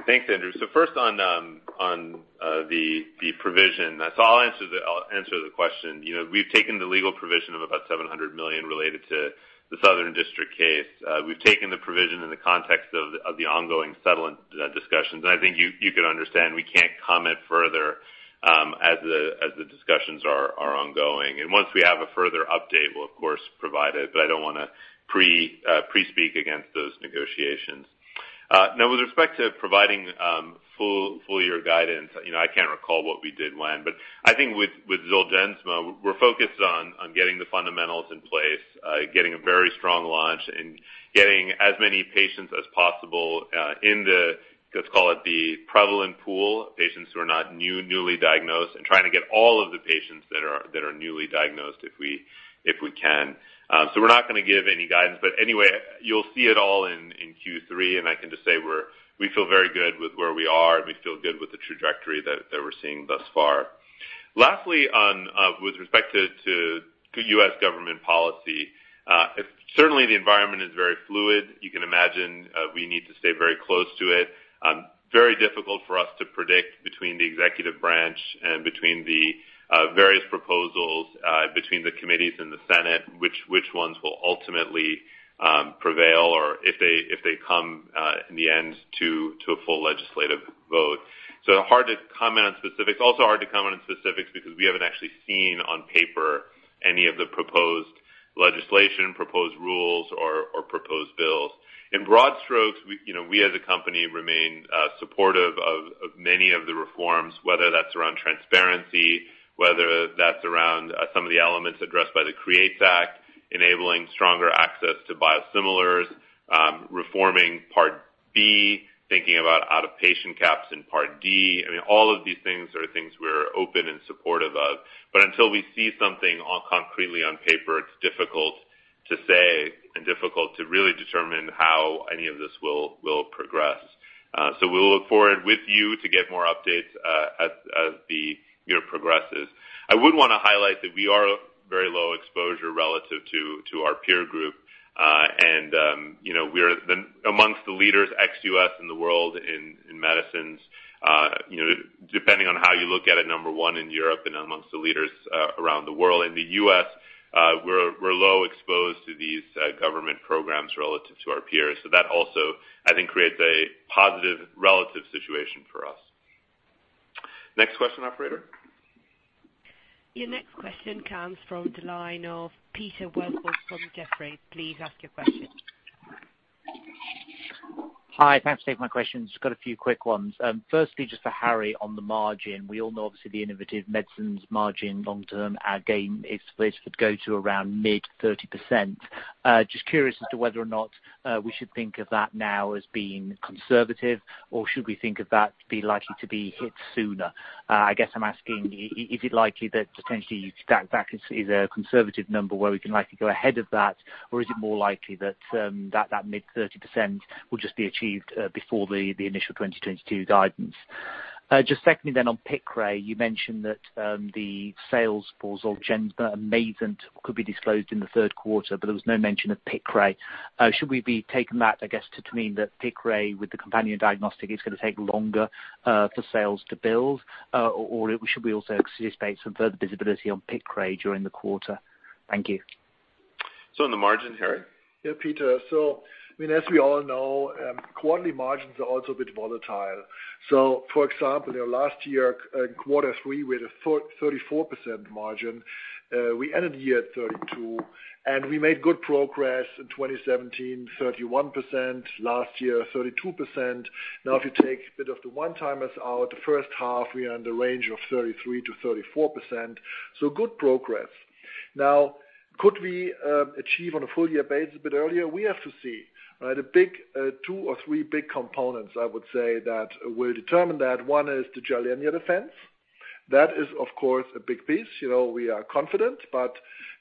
Thanks, Andrew. First on the provision. I'll answer the question. We've taken the legal provision of about $700 million related to the Southern District case. We've taken the provision in the context of the ongoing settlement discussions. I think you could understand, we can't comment further as the discussions are ongoing. Once we have a further update, we'll of course provide it, but I don't want to pre-speak against those negotiations. With respect to providing full year guidance, I can't recall what we did when, but I think with Zolgensma, we're focused on getting the fundamentals in place, getting a very strong launch, and getting as many patients as possible in the, let's call it the prevalent pool. Patients who are not newly diagnosed and trying to get all of the patients that are newly diagnosed if we can. We're not going to give any guidance. Anyway, you'll see it all in Q3, I can just say we feel very good with where we are, we feel good with the trajectory that we're seeing thus far. Lastly, with respect to U.S. government policy. Certainly, the environment is very fluid. You can imagine we need to stay very close to it. Very difficult for us to predict between the executive branch and between the various proposals between the committees and the Senate, which ones will ultimately prevail or if they come in the end to a full legislative vote. Hard to comment on specifics. Also hard to comment on specifics because we haven't actually seen on paper any of the proposed legislation, proposed rules, or proposed bills. In broad strokes, we as a company remain supportive of many of the reforms, whether that's around transparency, whether that's around some of the elements addressed by the CREATES Act, enabling stronger access to biosimilars, reforming Part B, thinking about out-of-patient caps in Part D. All of these things are things we're open and supportive of, until we see something concretely on paper, it's difficult to say and difficult to really determine how any of this will progress. We'll look forward with you to get more updates as the year progresses. I would want to highlight that we are a very low exposure relative to our peer group. We're amongst the leaders ex-U.S. in the world in medicines. Depending on how you look at it, number one in Europe and amongst the leaders around the world. In the U.S., we're low exposed to these government programs relative to our peers. That also, I think creates a positive relative situation for us. Next question, operator. Your next question comes from the line of Peter Welford from Jefferies. Please ask your question. Hi, thanks for taking my questions. Got a few quick ones. Firstly, just for Harry on the margin. We all know, obviously, the innovative medicines margin long term, again, is supposed to go to around mid 30%. Just curious as to whether or not we should think of that now as being conservative, or should we think of that to be likely to be hit sooner? I guess I'm asking is it likely that potentially that is a conservative number where we can likely go ahead of that? Or is it more likely that mid 30% will just be achieved before the initial 2022 guidance? Just secondly on PIQRAY, you mentioned that the sales for ZOLGENSMA and MAYZENT could be disclosed in the third quarter, but there was no mention of PIQRAY. Should we be taking that, I guess, to mean that PIQRAY with the companion diagnostic is going to take longer for sales to build? Or should we also expect some further visibility on PIQRAY during the quarter? Thank you. On the margin, Harry? Yeah, Peter. As we all know, quarterly margins are also a bit volatile. For example, last year in quarter three, we had a 34% margin. We ended the year at 32%, and we made good progress in 2017, 31%, last year, 32%. If you take a bit of the one-timers out, the first half, we are in the range of 33%-34%. Good progress. Could we achieve on a full-year basis a bit earlier? We have to see, right? Two or three big components, I would say that will determine that. One is the GILENYA defense. That is, of course, a big piece. We are confident, but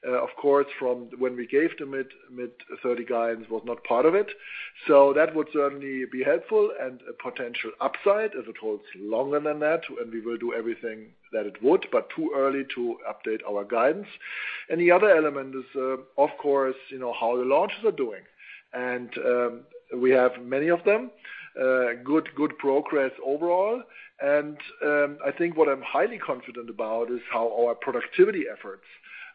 of course, from when we gave the mid 30% guidance was not part of it. That would certainly be helpful and a potential upside if it holds longer than that, and we will do everything that it would, but too early to update our guidance. The other element is, of course, how the launches are doing. We have many of them. Good progress overall. I think what I'm highly confident about is how our productivity efforts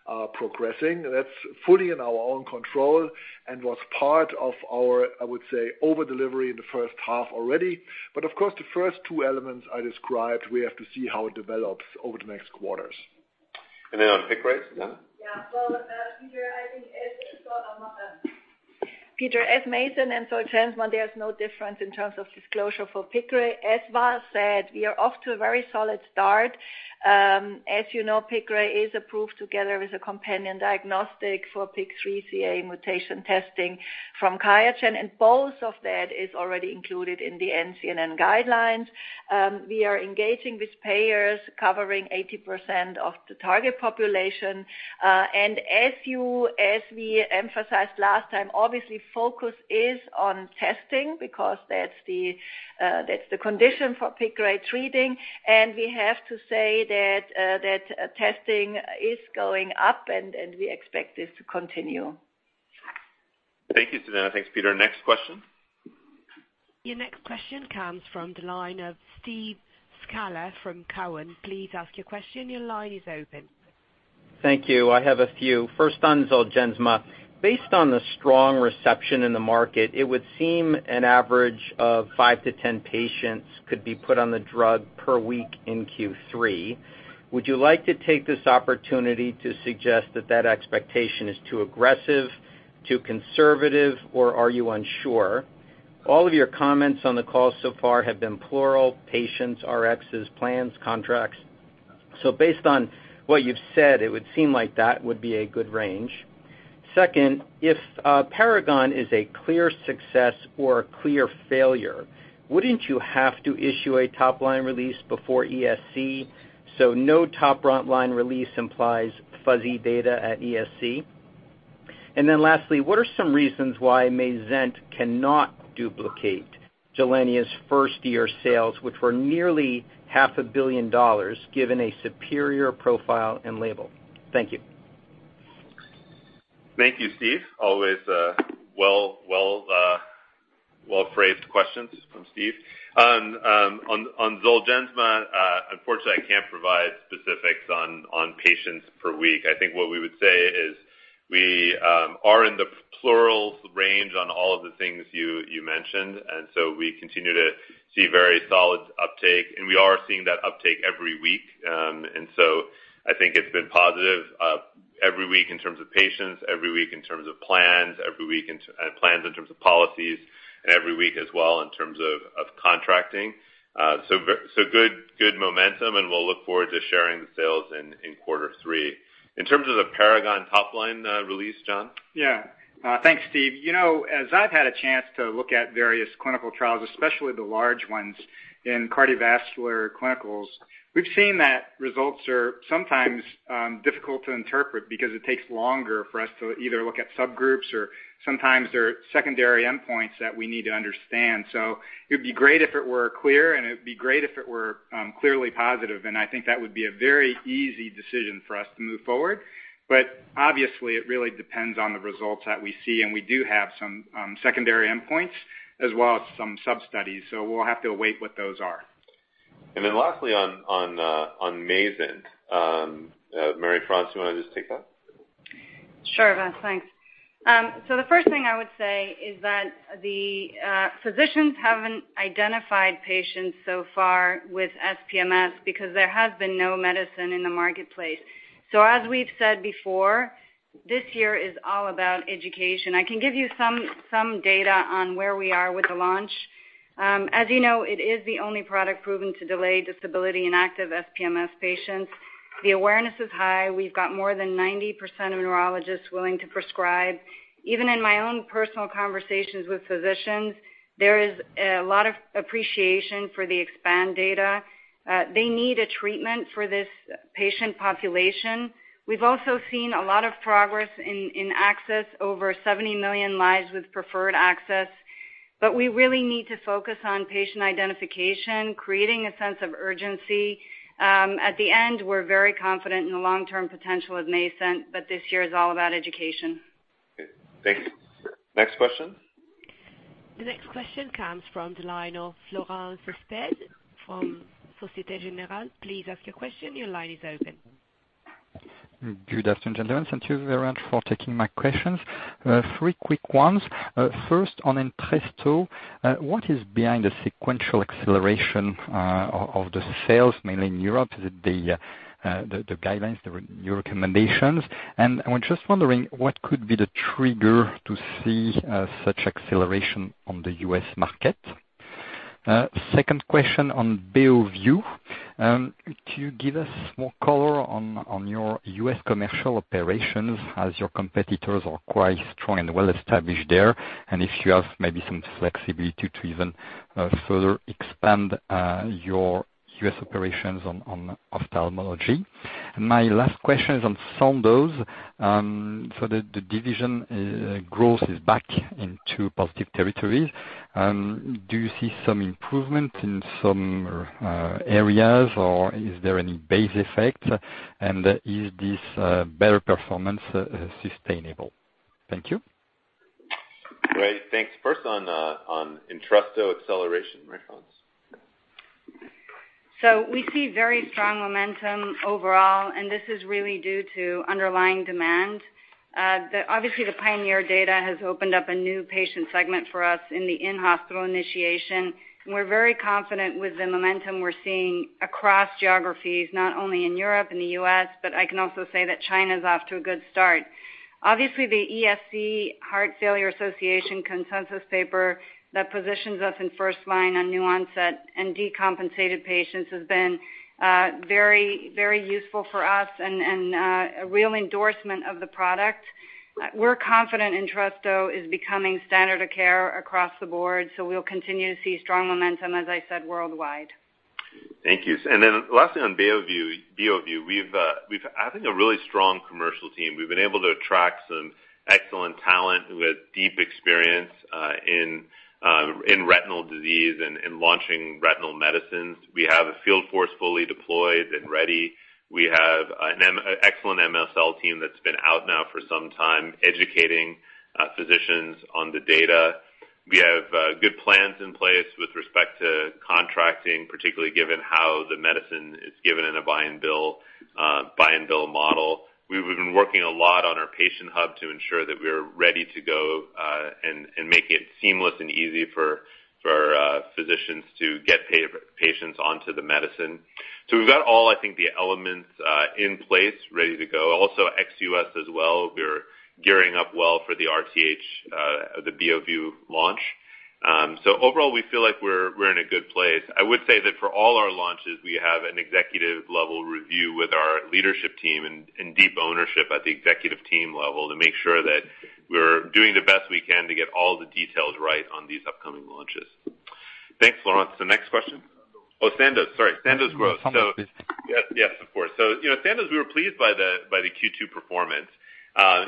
are progressing. That's fully in our own control and was part of our, I would say, over-delivery in the first half already. Of course, the first two elements I described, we have to see how it develops over the next quarters. On PIQRAY, Susanne? Yeah. Peter, as MAYZENT and ZOLGENSMA, there's no difference in terms of disclosure for PIQRAY. As Vas said, we are off to a very solid start. As you know, PIQRAY is approved together with a companion diagnostic for PIK3CA mutation testing from QIAGEN, and both of that is already included in the NCCN guidelines. We are engaging with payers covering 80% of the target population. As we emphasized last time, obviously focus is on testing because that's the condition for PIQRAY treating. We have to say that testing is going up, and we expect this to continue. Thank you, Susanne. Thanks, Peter. Next question. Your next question comes from the line of Steve Scala from Cowen. Please ask your question. Your line is open. Thank you. I have a few. First on ZOLGENSMA. Based on the strong reception in the market, it would seem an average of 5-10 patients could be put on the drug per week in Q3. Would you like to take this opportunity to suggest that that expectation is too aggressive, too conservative, or are you unsure? All of your comments on the call so far have been plural patients, Rxs, plans, contracts. Based on what you've said, it would seem like that would be a good range. Second, if PARAGON is a clear success or a clear failure, wouldn't you have to issue a top-line release before ESC? No top-line release implies fuzzy data at ESC. Lastly, what are some reasons why MAYZENT cannot duplicate GILENYA's first-year sales, which were nearly half a billion dollars, given a superior profile and label? Thank you. Thank you, Steve. Always well-phrased questions from Steve. On ZOLGENSMA, unfortunately, I can't provide specifics on patients per week. I think what we would say is we are in the plural range on all of the things you mentioned, we continue to see very solid uptake, and we are seeing that uptake every week. I think it's been positive every week in terms of patients, every week in terms of plans, every week in terms of policies, and every week as well in terms of contracting. Good momentum, and we'll look forward to sharing the sales in quarter three. In terms of the PARAGON top-line release, John? Yeah. Thanks, Steve. As I've had a chance to look at various clinical trials, especially the large ones in cardiovascular clinicals, we've seen that results are sometimes difficult to interpret because it takes longer for us to either look at subgroups or sometimes there are secondary endpoints that we need to understand. It'd be great if it were clear, and it would be great if it were clearly positive, and I think that would be a very easy decision for us to move forward. Obviously, it really depends on the results that we see, and we do have some secondary endpoints as well as some sub-studies, we'll have to await what those are. Lastly on MAYZENT. Marie-France, you want to just take that? Sure, Vas. Thanks. The first thing I would say is that the physicians haven't identified patients so far with SPMS because there has been no medicine in the marketplace. As we've said before, this year is all about education. I can give you some data on where we are with the launch. As you know, it is the only product proven to delay disability in active SPMS patients. The awareness is high. We've got more than 90% of neurologists willing to prescribe. Even in my own personal conversations with physicians, there is a lot of appreciation for the EXPAND data. They need a treatment for this patient population. We've also seen a lot of progress in access. Over 70 million lives with preferred access. We really need to focus on patient identification, creating a sense of urgency. At the end, we're very confident in the long-term potential of Mayzent, but this year is all about education. Okay, thank you. Next question? The next question comes from the line of Florent Cespedes from Société Générale. Please ask your question. Your line is open. Good afternoon, gentlemen. Thank you very much for taking my questions. Three quick ones. First, on Entresto, what is behind the sequential acceleration of the sales, mainly in Europe? Is it the guidelines, your recommendations? I was just wondering what could be the trigger to see such acceleration on the U.S. market. Second question on Beovu, could you give us more color on your U.S. commercial operations as your competitors are quite strong and well established there, and if you have maybe some flexibility to even further expand your U.S. operations on ophthalmology? My last question is on Sandoz. The division growth is back into positive territories. Do you see some improvement in some areas, or is there any base effect? Is this better performance sustainable? Thank you. Great, thanks. First on Entresto acceleration, Marie-France. We see very strong momentum overall, and this is really due to underlying demand. The PIONEER-HF data has opened up a new patient segment for us in the in-hospital initiation, and we're very confident with the momentum we're seeing across geographies, not only in Europe and the U.S., but I can also say that China's off to a good start. The ESC Heart Failure Association consensus paper that positions us in first line on new onset and decompensated patients has been very useful for us and a real endorsement of the product. We're confident Entresto is becoming standard of care across the board, we'll continue to see strong momentum, as I said, worldwide. Thank you. Lastly, on BEOVU, we've added a really strong commercial team. We've been able to attract some excellent talent with deep experience in retinal disease and in launching retinal medicines. We have a field force fully deployed and ready. We have an excellent MSL team that's been out now for some time, educating physicians on the data. We have good plans in place with respect to contracting, particularly given how the medicine is given in a buy and bill model. We've been working a lot on our patient hub to ensure that we're ready to go and make it seamless and easy for physicians to get patients onto the medicine. We've got all, I think, the elements in place, ready to go. Also ex-U.S. as well, we're gearing up well for the RTH, the BEOVU launch. Overall, we feel like we're in a good place. I would say that for all our launches, we have an executive-level review with our leadership team and deep ownership at the executive team level to make sure that we're doing the best we can to get all the details right on these upcoming launches. Thanks, Florent. The next question? Oh, Sandoz. Sorry. Sandoz growth. Yes, of course. Sandoz, we were pleased by the Q2 performance.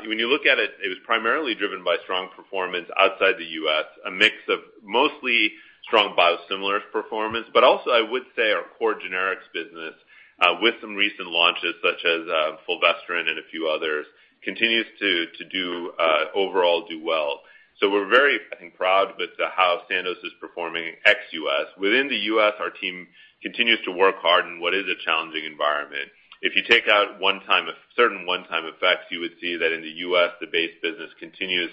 When you look at it was primarily driven by strong performance outside the U.S., a mix of mostly strong biosimilars performance. Also, I would say our core generics business with some recent launches such as fulvestrant and a few others, continues to overall do well. We're very, I think, proud with how Sandoz is performing ex-U.S. Within the U.S., our team continues to work hard in what is a challenging environment. If you take out certain one-time effects, you would see that in the U.S., the base business continues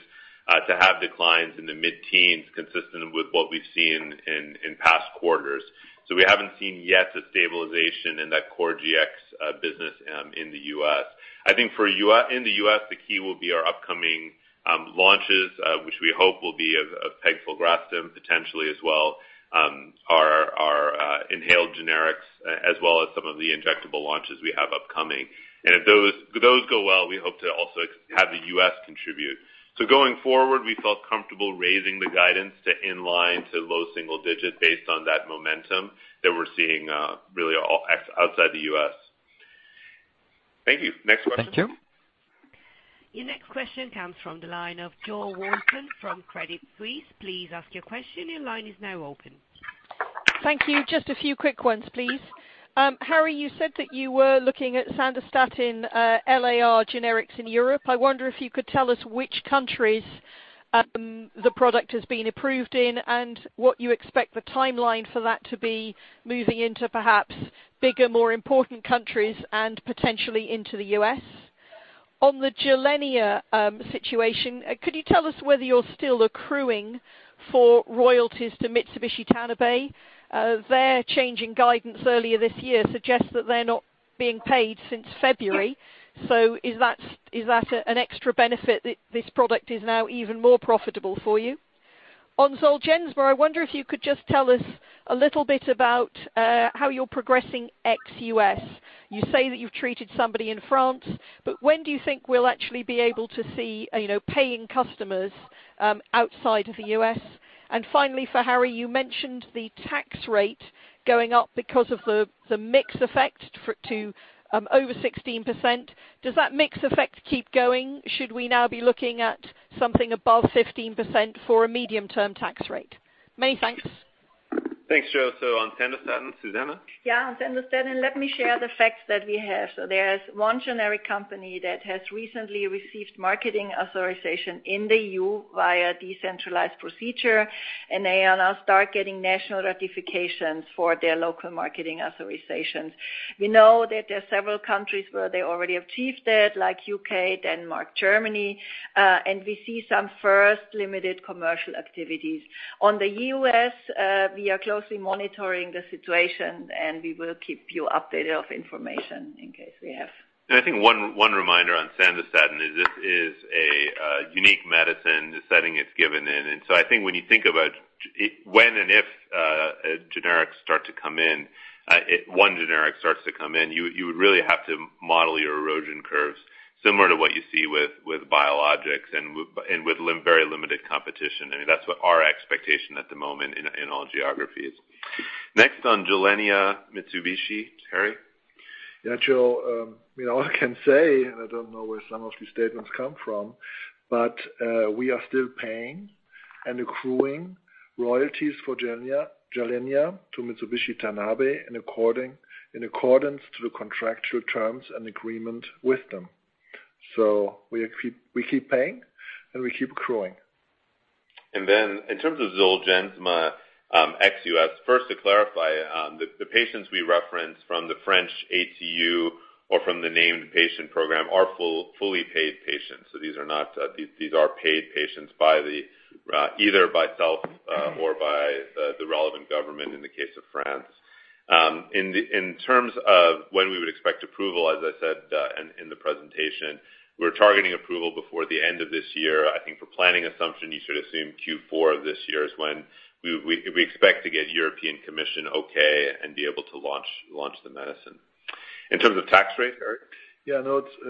to have declines in the mid-teens, consistent with what we've seen in past quarters. We haven't seen yet a stabilization in that core GX business in the U.S. I think in the U.S., the key will be our upcoming launches which we hope will be of pegfilgrastim, potentially as well our inhaled generics as well as some of the injectable launches we have upcoming. If those go well, we hope to also have the U.S. contribute. Going forward, we felt comfortable raising the guidance to inline to low double-digit based on that momentum that we're seeing really outside the U.S. Thank you. Next question. Thank you. Your next question comes from the line of Jo Walton from Credit Suisse. Please ask your question. Your line is now open. Thank you. Just a few quick ones, please. Harry, you said that you were looking at SANDOSTATIN LAR generics in Europe. I wonder if you could tell us which countries the product has been approved in and what you expect the timeline for that to be moving into perhaps bigger, more important countries and potentially into the U.S. On the GILENYA situation, could you tell us whether you're still accruing for royalties to Mitsubishi Tanabe? Their change in guidance earlier this year suggests that they're not being paid since February. Is that an extra benefit that this product is now even more profitable for you? On ZOLGENSMA, I wonder if you could just tell us a little bit about how you're progressing ex-U.S. You say that you've treated somebody in France, but when do you think we'll actually be able to see paying customers outside of the U.S.? Finally, for Harry, you mentioned the tax rate going up because of the mix effect to over 16%. Does that mix effect keep going? Should we now be looking at something above 15% for a medium-term tax rate? Many thanks. Thanks, Jo. On SANDOSTATIN, Susanne? On SANDOSTATIN, let me share the facts that we have. There is one generic company that has recently received marketing authorization in the EU via decentralized procedure, and they will now start getting national ratifications for their local marketing authorizations. We know that there are several countries where they already achieved it, like U.K., Denmark, Germany, and we see some first limited commercial activities. On the U.S., we are closely monitoring the situation, and we will keep you updated of information in case we have. I think one reminder on SANDOSTATIN is this is a unique medicine, the setting it's given in. I think when you think about when and if generics start to come in, one generic starts to come in, you would really have to model your erosion curves similar to what you see with biologics and with very limited competition. I mean, that's what our expectation at the moment in all geographies. Next on GILENYA, Mitsubishi, Harry? Jo, all I can say, I don't know where some of these statements come from, we are still paying and accruing royalties for GILENYA to Mitsubishi Tanabe in accordance to the contractual terms and agreement with them. We keep paying, and we keep accruing. In terms of ZOLGENSMA ex U.S., first to clarify, the patients we reference from the French ATU or from the named patient program are fully paid patients. These are paid patients either by self or by the relevant government in the case of France. In terms of when we would expect approval, as I said in the presentation, we're targeting approval before the end of this year. I think for planning assumption, you should assume Q4 of this year is when we expect to get European Commission okay and be able to launch the medicine. In terms of tax rate, Harry? Yeah,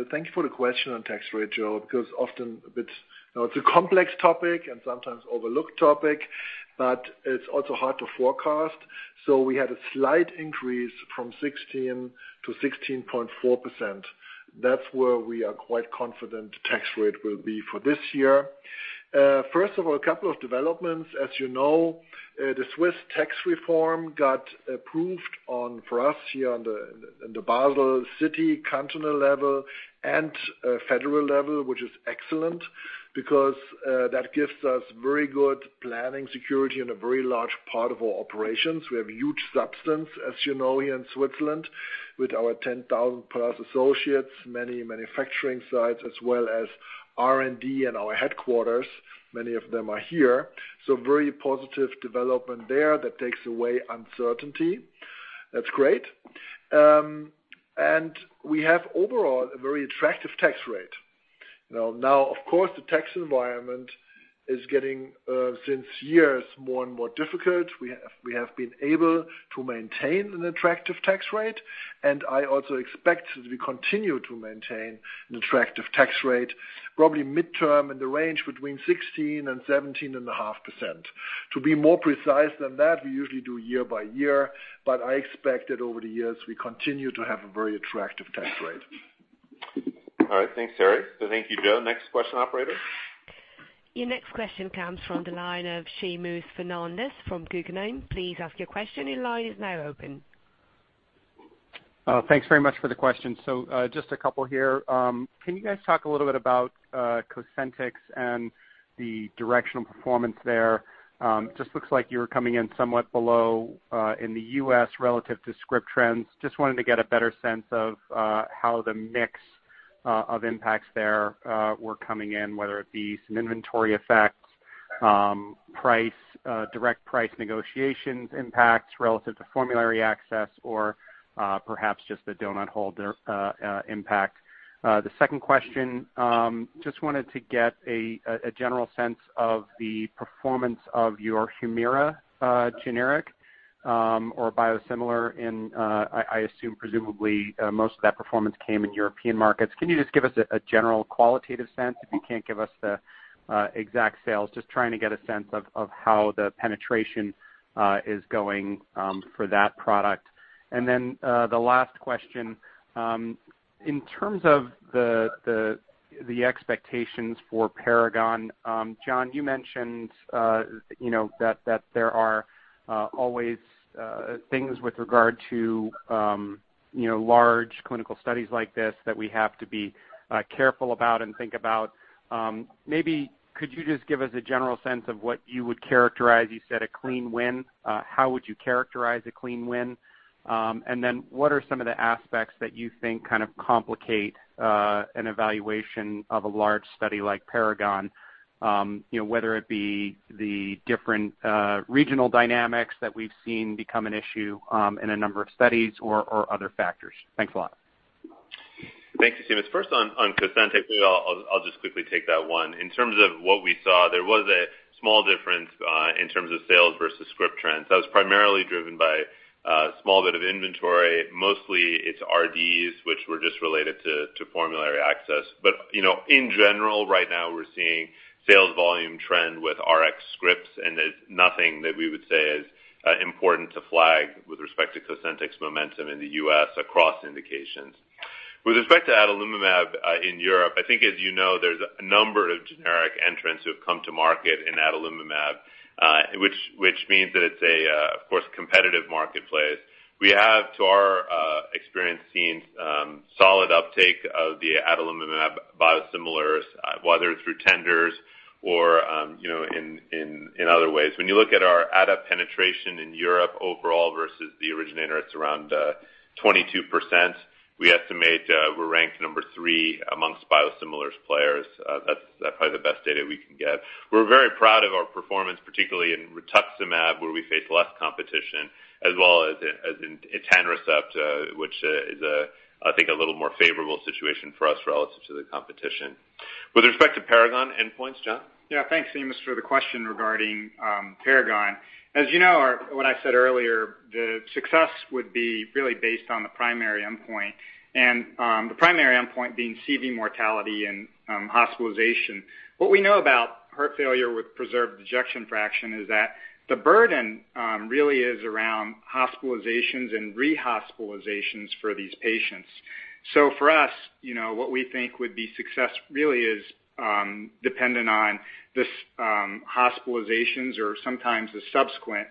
thank you for the question on tax rate, Jo, often it's a complex topic and sometimes overlooked topic, it's also hard to forecast. We had a slight increase from 16% to 16.4%. That's where we are quite confident the tax rate will be for this year. First of all, a couple of developments. As you know, the Swiss tax reform got approved for us here in the Basel city cantonal level and federal level, which is excellent that gives us very good planning security in a very large part of our operations. We have huge substance, as you know, here in Switzerland with our 10,000 plus associates, many manufacturing sites, as well as R&D and our headquarters. Many of them are here. Very positive development there that takes away uncertainty. That's great. We have overall a very attractive tax rate. Of course, the tax environment is getting, since years, more and more difficult. We have been able to maintain an attractive tax rate, I also expect that we continue to maintain an attractive tax rate, probably midterm in the range between 16% and 17.5%. To be more precise than that, we usually do year by year, I expect that over the years, we continue to have a very attractive tax rate. All right. Thanks, Harry. Thank you, Jo. Next question, operator. Your next question comes from the line of Seamus Fernandez from Guggenheim. Please ask your question. Your line is now open. Thanks very much for the question. Just a couple here. Can you guys talk a little bit about Cosentyx and the directional performance there? Just looks like you were coming in somewhat below in the U.S. relative to script trends. Just wanted to get a better sense of how the mix of impacts there were coming in, whether it be some inventory effects, direct price negotiations impacts relative to formulary access, or perhaps just the donut hole impact. The second question, just wanted to get a general sense of the performance of your HUMIRA generic or biosimilar in, I assume presumably most of that performance came in European markets. Can you just give us a general qualitative sense if you can't give us the exact sales? Just trying to get a sense of how the penetration is going for that product. The last question, in terms of the expectations for PARAGON, John, you mentioned that there are always things with regard to large clinical studies like this that we have to be careful about and think about. Maybe could you just give us a general sense of what you would characterize, you said a clean win. How would you characterize a clean win? What are some of the aspects that you think kind of complicate an evaluation of a large study like PARAGON, whether it be the different regional dynamics that we've seen become an issue in a number of studies or other factors? Thanks a lot. Thanks, Seamus. First, on Cosentyx, I'll just quickly take that one. In terms of what we saw, there was a small difference in terms of sales versus script trends. That was primarily driven by a small bit of inventory. Mostly it's RDs, which were just related to formulary access. In general, right now we're seeing sales volume trend with Rx scripts, and nothing that we would say is important to flag with respect to Cosentyx momentum in the U.S. across indications. With respect to adalimumab in Europe, I think as you know, there's a number of generic entrants who have come to market in adalimumab, which means that it's, of course, a competitive marketplace. We have, to our experience, seen solid uptake of the adalimumab biosimilars, whether through tenders or in other ways. When you look at our ADA penetration in Europe overall versus the originator, it's around 22%. We estimate we're ranked number three amongst biosimilars players. That's probably the best data we can get. We're very proud of our performance, particularly in rituximab, where we face less competition, as well as in etanercept, which is, I think, a little more favorable situation for us relative to the competition. With respect to PARAGON endpoints, John? Yeah. Thanks, Seamus, for the question regarding PARAGON. As you know, what I said earlier, the success would be really based on the primary endpoint, and the primary endpoint being CV mortality and hospitalization. What we know about heart failure with preserved ejection fraction is that the burden really is around hospitalizations and rehospitalizations for these patients. For us, what we think would be success really is dependent on these hospitalizations or sometimes the subsequent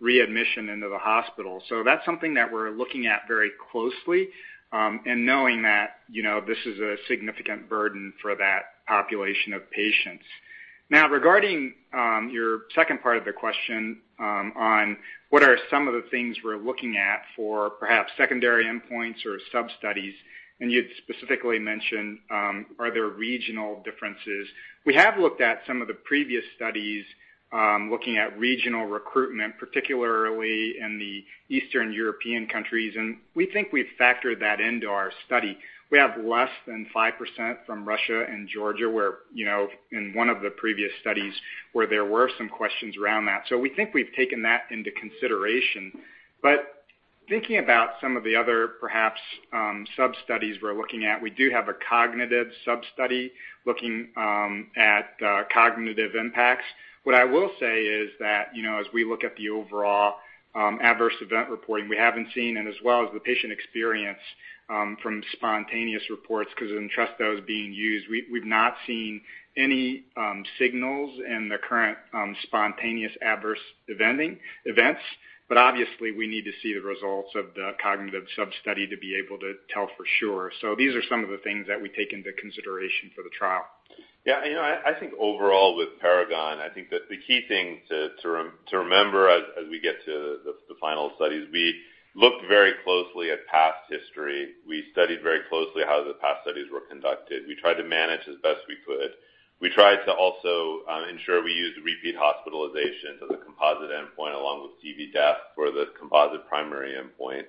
readmission into the hospital. That's something that we're looking at very closely and knowing that this is a significant burden for that population of patients. Regarding your second part of the question on what are some of the things we're looking at for perhaps secondary endpoints or sub-studies, and you'd specifically mentioned, are there regional differences? We have looked at some of the previous studies looking at regional recruitment, particularly in the Eastern European countries, and we think we've factored that into our study. We have less than 5% from Russia and Georgia, where in one of the previous studies where there were some questions around that. We think we've taken that into consideration. Thinking about some of the other perhaps sub-studies we're looking at, we do have a cognitive sub-study looking at cognitive impacts. What I will say is that as we look at the overall adverse event reporting, we haven't seen, and as well as the patient experience from spontaneous reports because Entresto is being used. We've not seen any signals in the current spontaneous adverse events. Obviously, we need to see the results of the cognitive sub-study to be able to tell for sure. These are some of the things that we take into consideration for the trial. Yeah. I think overall with PARAGON, I think that the key thing to remember as we get to the final study is we looked very closely at past history. We studied very closely how the past studies were conducted. We tried to manage as best as we could. We tried to also ensure we used repeat hospitalizations as a composite endpoint along with CV death for the composite primary endpoint.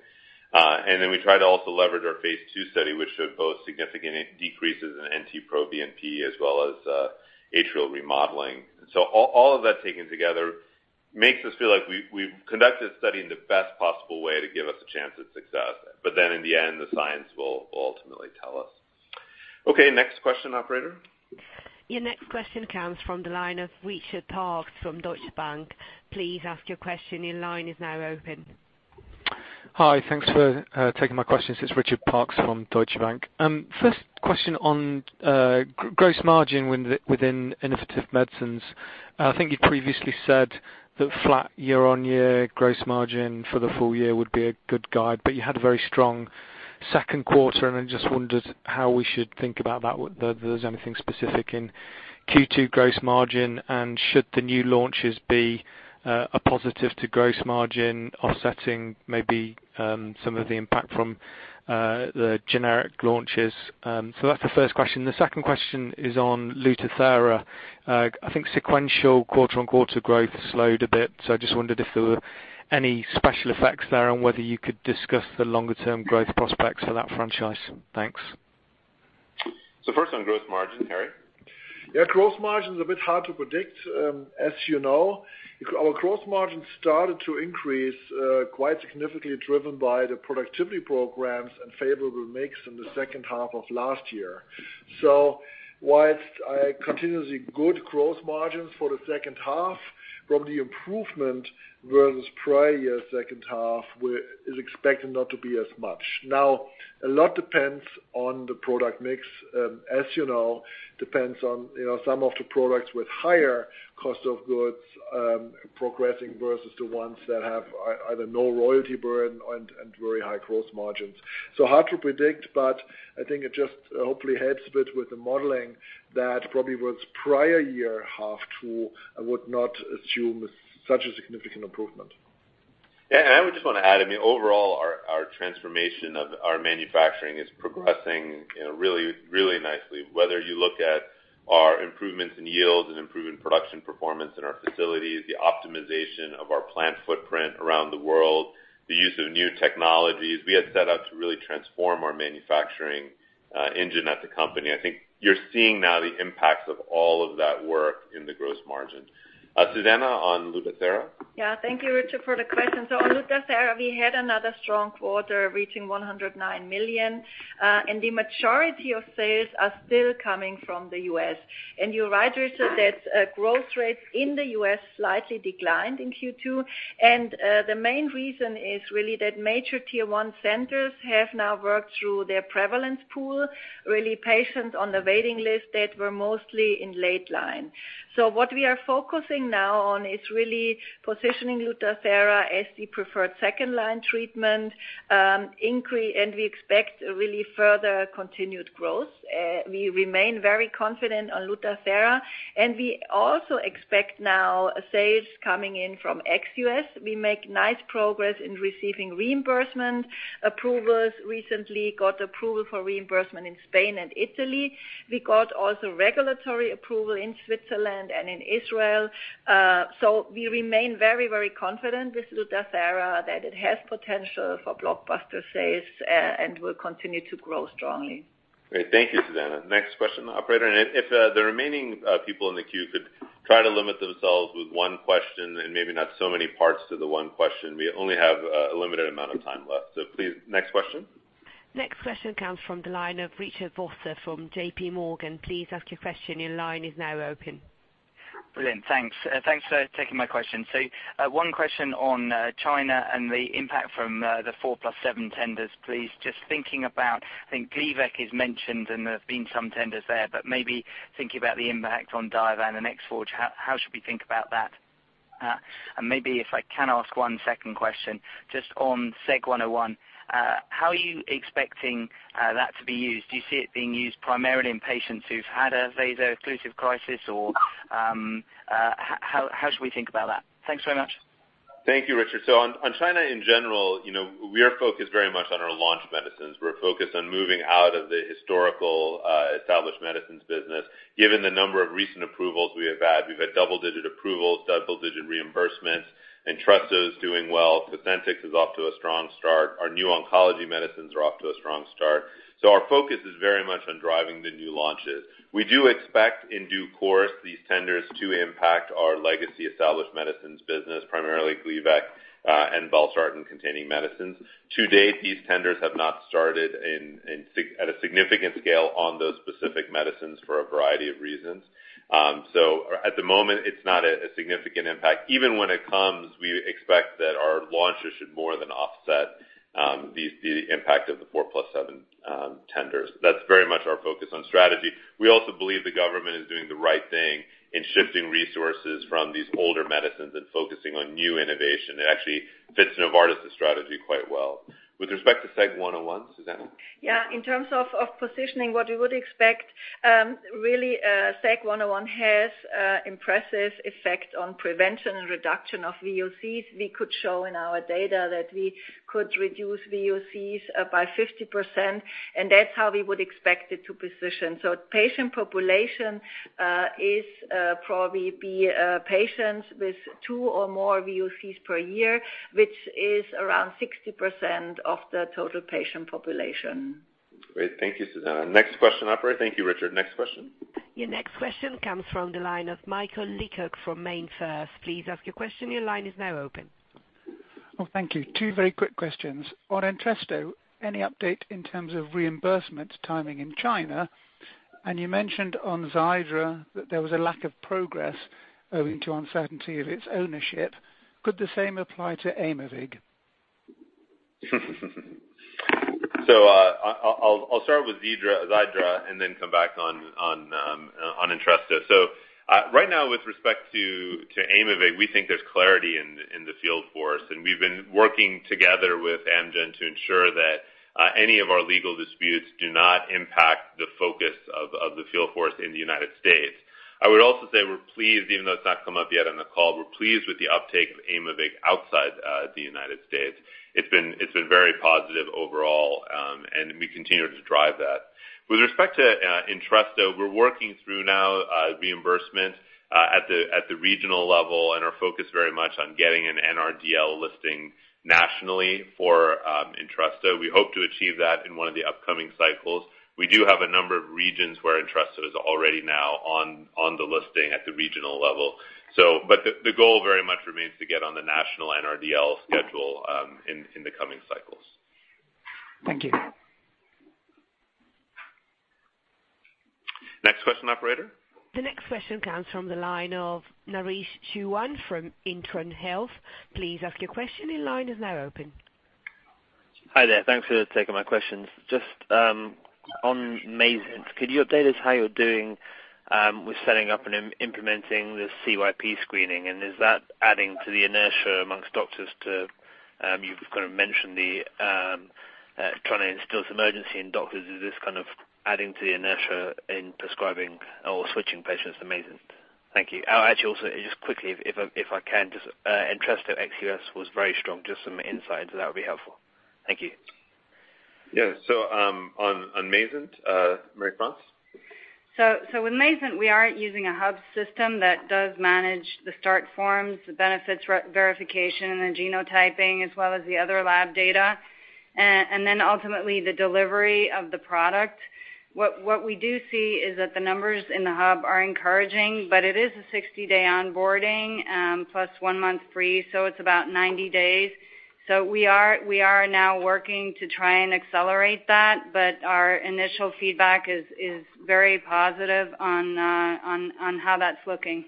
We tried to also leverage our phase II study, which showed both significant decreases in NT-proBNP as well as atrial remodeling. All of that taken together makes us feel like we've conducted the study in the best possible way to give us a chance at success. In the end, the science will ultimately tell us. Okay, next question, operator. Your next question comes from the line of Richard Parkes from Deutsche Bank. Please ask your question, your line is now open. Hi, thanks for taking my questions. It's Richard Parkes from Deutsche Bank. First question on gross margin within Innovative Medicines. I think you previously said that flat year-on-year gross margin for the full year would be a good guide, but you had a very strong second quarter, and I just wondered how we should think about that, whether there's anything specific in Q2 gross margin. Should the new launches be a positive to gross margin offsetting maybe some of the impact from the generic launches? That's the first question. The second question is on LUTATHERA. I think sequential quarter-on-quarter growth slowed a bit, so I just wondered if there were any special effects there and whether you could discuss the longer-term growth prospects for that franchise. Thanks. First on gross margin, Harry. Gross margin is a bit hard to predict. As you know, our gross margin started to increase quite significantly, driven by the productivity programs and favorable mix in the second half of last year. Whilst I continue the good gross margins for the second half from the improvement versus prior year second half is expected not to be as much. Now, a lot depends on the product mix. As you know, depends on some of the products with higher cost of goods progressing versus the ones that have either no royalty burden and very high gross margins. Hard to predict, but I think it just hopefully helps a bit with the modeling that probably was prior year half two, I would not assume such a significant improvement. I would just want to add, overall our transformation of our manufacturing is progressing really nicely. Whether you look at our improvements in yield and improvement in production performance in our facilities, the optimization of our plant footprint around the world. The use of new technologies. We had set out to really transform our manufacturing engine at the company. I think you're seeing now the impacts of all of that work in the gross margin. Susanne Schaffert on LUTATHERA. Thank you, Richard, for the question. On LUTATHERA, we had another strong quarter reaching $109 million, and the majority of sales are still coming from the U.S. You're right, Richard, that growth rates in the U.S. slightly declined in Q2. The main reason is really that major tier 1 centers have now worked through their prevalence pool, really patients on the waiting list that were mostly in late line. What we are focusing now on is really positioning LUTATHERA as the preferred second-line treatment, and we expect really further continued growth. We remain very confident on LUTATHERA, and we also expect now sales coming in from ex-U.S. We make nice progress in receiving reimbursement approvals, recently got approval for reimbursement in Spain and Italy. We got also regulatory approval in Switzerland and in Israel. We remain very confident with LUTATHERA that it has potential for blockbuster sales and will continue to grow strongly. Great. Thank you, Susanne. Next question, operator. If the remaining people in the queue could try to limit themselves with one question and maybe not so many parts to the one question. We only have a limited amount of time left. Please, next question. Next question comes from the line of Richard Vosser from JP Morgan. Please ask your question, your line is now open. Brilliant. Thanks. Thanks for taking my question. One question on China and the impact from the four plus seven tenders, please. Just thinking about, I think Gleevec is mentioned and there have been some tenders there, but maybe thinking about the impact on DIOVAN and Exforge, how should we think about that? Maybe if I can ask one second question, just on SEG101, how are you expecting that to be used? Do you see it being used primarily in patients who've had a vaso-occlusive crisis, or how should we think about that? Thanks very much. Thank you, Richard. On China in general, we are focused very much on our launch medicines. We're focused on moving out of the historical established medicines business. Given the number of recent approvals we have had, we've had double-digit approvals, double-digit reimbursements. Entresto is doing well. Cosentyx is off to a strong start. Our new oncology medicines are off to a strong start. Our focus is very much on driving the new launches. We do expect in due course these tenders to impact our legacy established medicines business, primarily Gleevec and valsartan-containing medicines. To date, these tenders have not started at a significant scale on those specific medicines for a variety of reasons. At the moment, it's not a significant impact. Even when it comes, we expect that our launches should more than offset the impact of the four plus seven tenders. That's very much our focus on strategy. We also believe the government is doing the right thing in shifting resources from these older medicines and focusing on new innovation. It actually fits Novartis' strategy quite well. With respect to SEG101, Susanne? Yeah. In terms of positioning what we would expect, really SEG101 has impressive effect on prevention and reduction of VOCs. We could show in our data that we could reduce VOCs by 50%, and that's how we would expect it to position. Patient population is probably be patients with two or more VOCs per year, which is around 60% of the total patient population. Great. Thank you, Susanne. Next question, operator. Thank you, Richard. Next question. Your next question comes from the line of Michael Leacock from MainFirst. Please ask your question. Your line is now open. Oh, thank you. Two very quick questions. On Entresto, any update in terms of reimbursement timing in China? You mentioned on Xiidra that there was a lack of progress owing to uncertainty of its ownership. Could the same apply to AIMOVIG? I'll start with Xiidra and then come back on Entresto. Right now with respect to AIMOVIG, we think there's clarity in the field force, and we've been working together with Amgen to ensure that any of our legal disputes do not impact the focus of the field force in the U.S. I would also say we're pleased, even though it's not come up yet on the call, we're pleased with the uptake of AIMOVIG outside the U.S. It's been very positive overall, and we continue to drive that. With respect to Entresto, we're working through now reimbursement at the regional level and are focused very much on getting an NRDL listing nationally for Entresto. We hope to achieve that in one of the upcoming cycles. We do have a number of regions where Entresto is already now on the listing at the regional level. The goal very much remains to get on the national NRDL schedule in the coming cycles. Thank you. Next question, operator. The next question comes from the line of Naresh Chouhan from Intron Health. Please ask your question. Your line is now open. Hi there. Thanks for taking my questions. Just on MAYZENT, could you update us how you're doing with setting up and implementing the CYP2C9 screening? Is that adding to the inertia amongst doctors? You've kind of mentioned the trying to instill some urgency in doctors. Is this kind of adding to the inertia in prescribing or switching patients to MAYZENT? Thank you. Actually, also, just quickly if I can, just Entresto ex-U.S. was very strong. Just some insight into that would be helpful. Thank you. Yes. On MAYZENT, Marie-France? With MAYZENT, we are using a hub system that does manage the start forms, the benefits verification, and the genotyping, as well as the other lab data, and then ultimately the delivery of the product. What we do see is that the numbers in the hub are encouraging, but it is a 60-day onboarding, plus one month free, so it's about 90 days. We are now working to try and accelerate that, but our initial feedback is very positive on how that's looking.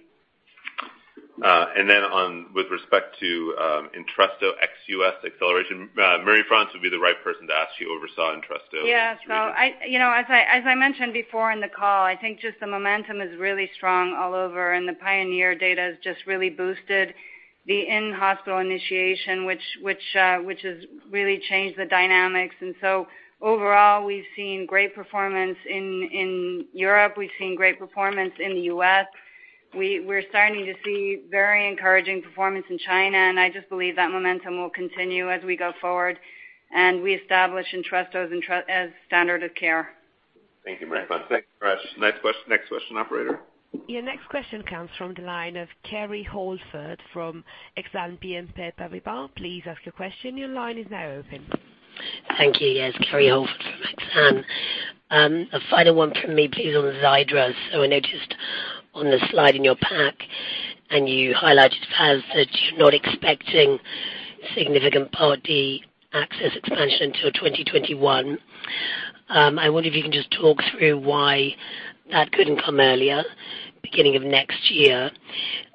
With respect to Entresto ex-U.S. acceleration, Marie-France would be the right person to ask. She oversaw Entresto. Yeah. As I mentioned before in the call, I think just the momentum is really strong all over, the PIONEER-HF data has just really boosted the in-hospital initiation, which has really changed the dynamics. Overall, we've seen great performance in Europe. We've seen great performance in the U.S. We're starting to see very encouraging performance in China, I just believe that momentum will continue as we go forward, we establish Entresto as standard of care. Thank you, Marie-France. Thanks for asking. Next question, operator. Your next question comes from the line of Kerry Holford from Exane BNP Paribas. Please ask your question. Your line is now open. Thank you. Yes, Kerry Holford from Exane. A final one from me, please, on Xiidra. I noticed on the slide in your pack, and you highlighted, Vas, that you're not expecting significant Part D access expansion till 2021. I wonder if you can just talk through why that couldn't come earlier, beginning of next year.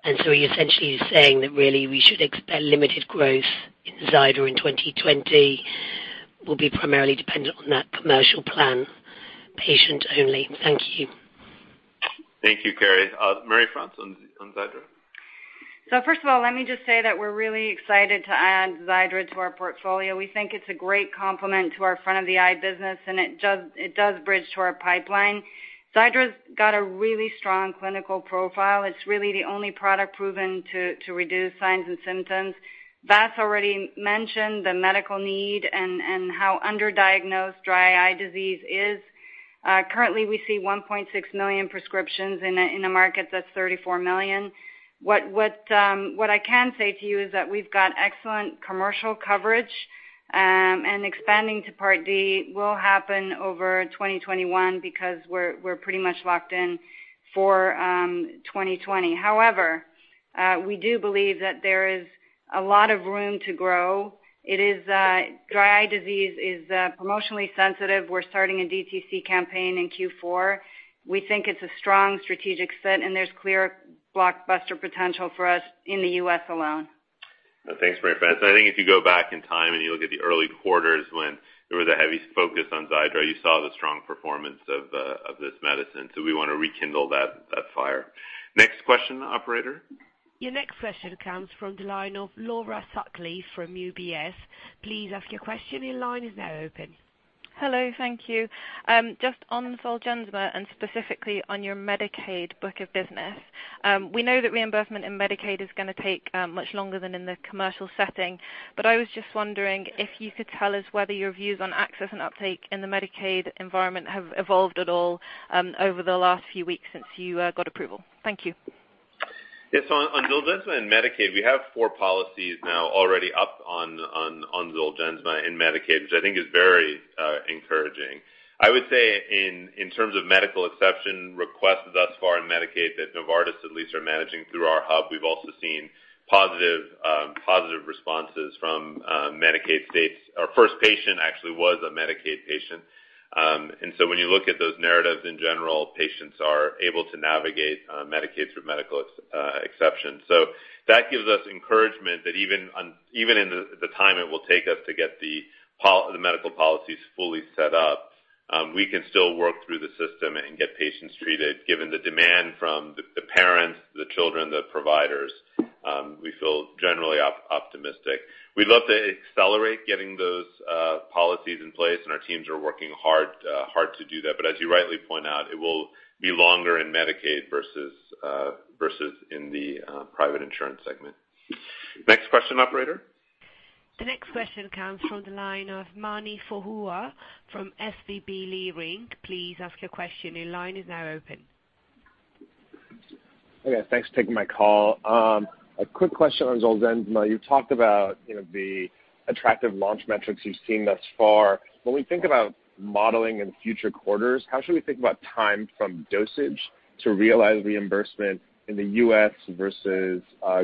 Are you essentially saying that really we should expect limited growth in Xiidra in 2020, will be primarily dependent on that commercial plan, patient only? Thank you. Thank you, Kerry. Marie-France, on Xiidra. First of all, let me just say that we're really excited to add Xiidra to our portfolio. We think it's a great complement to our front-of-the-eye business, and it does bridge to our pipeline. Xiidra's got a really strong clinical profile. It's really the only product proven to reduce signs and symptoms. Vas already mentioned the medical need and how underdiagnosed dry eye disease is. Currently, we see 1.6 million prescriptions in a market that's 34 million. What I can say to you is that we've got excellent commercial coverage, and expanding to Part D will happen over 2021 because we're pretty much locked in for 2020. However, we do believe that there is a lot of room to grow. Dry eye disease is promotionally sensitive. We're starting a DTC campaign in Q4. We think it's a strong strategic fit and there's clear blockbuster potential for us in the U.S. alone. Thanks, Marie-France. I think if you go back in time and you look at the early quarters when there was a heavy focus on Xiidra, you saw the strong performance of this medicine. We want to rekindle that fire. Next question, operator. Your next question comes from the line of Laura Sutcliffe from UBS. Please ask your question. Your line is now open. Hello, thank you. Just on Zolgensma and specifically on your Medicaid book of business. We know that reimbursement in Medicaid is going to take much longer than in the commercial setting. I was just wondering if you could tell us whether your views on access and uptake in the Medicaid environment have evolved at all over the last few weeks since you got approval. Thank you. Yes. On Zolgensma and Medicaid, we have four policies now already up on Zolgensma in Medicaid, which I think is very encouraging. I would say in terms of medical exception requests thus far in Medicaid that Novartis at least are managing through our hub, we've also seen positive responses from Medicaid states. Our first patient actually was a Medicaid patient. When you look at those narratives in general, patients are able to navigate Medicaid through medical exceptions. That gives us encouragement that even in the time it will take us to get the medical policies fully set up, we can still work through the system and get patients treated, given the demand from the parents, the children, the providers. We feel generally optimistic. We'd love to accelerate getting those policies in place, and our teams are working hard to do that. As you rightly point out, it will be longer in Medicaid versus in the private insurance segment. Next question, operator. The next question comes from the line of Mani Foroohar from SVB Leerink. Please ask your question. Your line is now open. Okay. Thanks for taking my call. A quick question on ZOLGENSMA. You talked about the attractive launch metrics you've seen thus far. When we think about modeling in future quarters, how should we think about time from dosage to realized reimbursement in the U.S. versus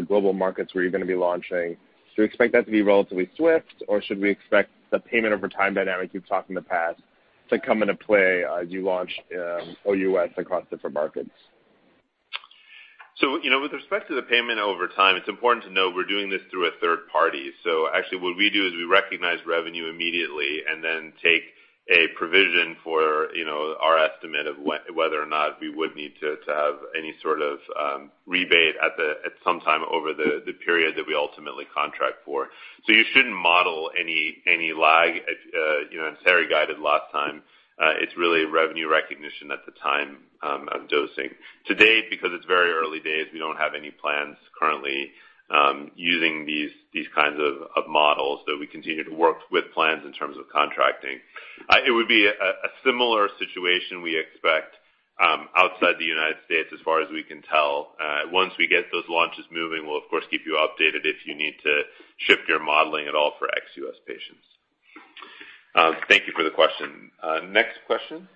global markets where you're going to be launching? Do you expect that to be relatively swift, or should we expect the payment over time dynamic you've talked in the past to come into play as you launch OUS across different markets? With respect to the payment over time, it's important to know we're doing this through a third party. Actually what we do is we recognize revenue immediately and then take a provision for our estimate of whether or not we would need to have any sort of rebate at some time over the period that we ultimately contract for. You shouldn't model any lag, as Harry guided last time. It's really revenue recognition at the time of dosing. To date, because it's very early days, we don't have any plans currently using these kinds of models, though we continue to work with plans in terms of contracting. It would be a similar situation we expect outside the U.S., as far as we can tell. Once we get those launches moving, we'll of course keep you updated if you need to shift your modeling at all for ex-U.S. patients. Thank you for the question. Next question?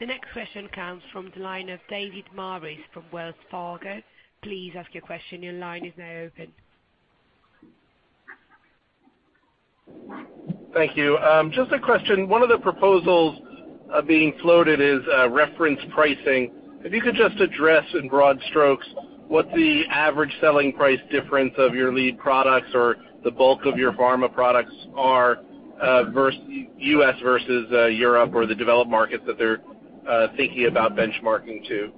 The next question comes from the line of David Maris from Wells Fargo. Please ask your question. Your line is now open. Thank you. Just a question. One of the proposals being floated is reference pricing. If you could just address in broad strokes what the average selling price difference of your lead products or the bulk of your pharma products are, U.S. versus Europe or the developed markets that they're thinking about benchmarking to.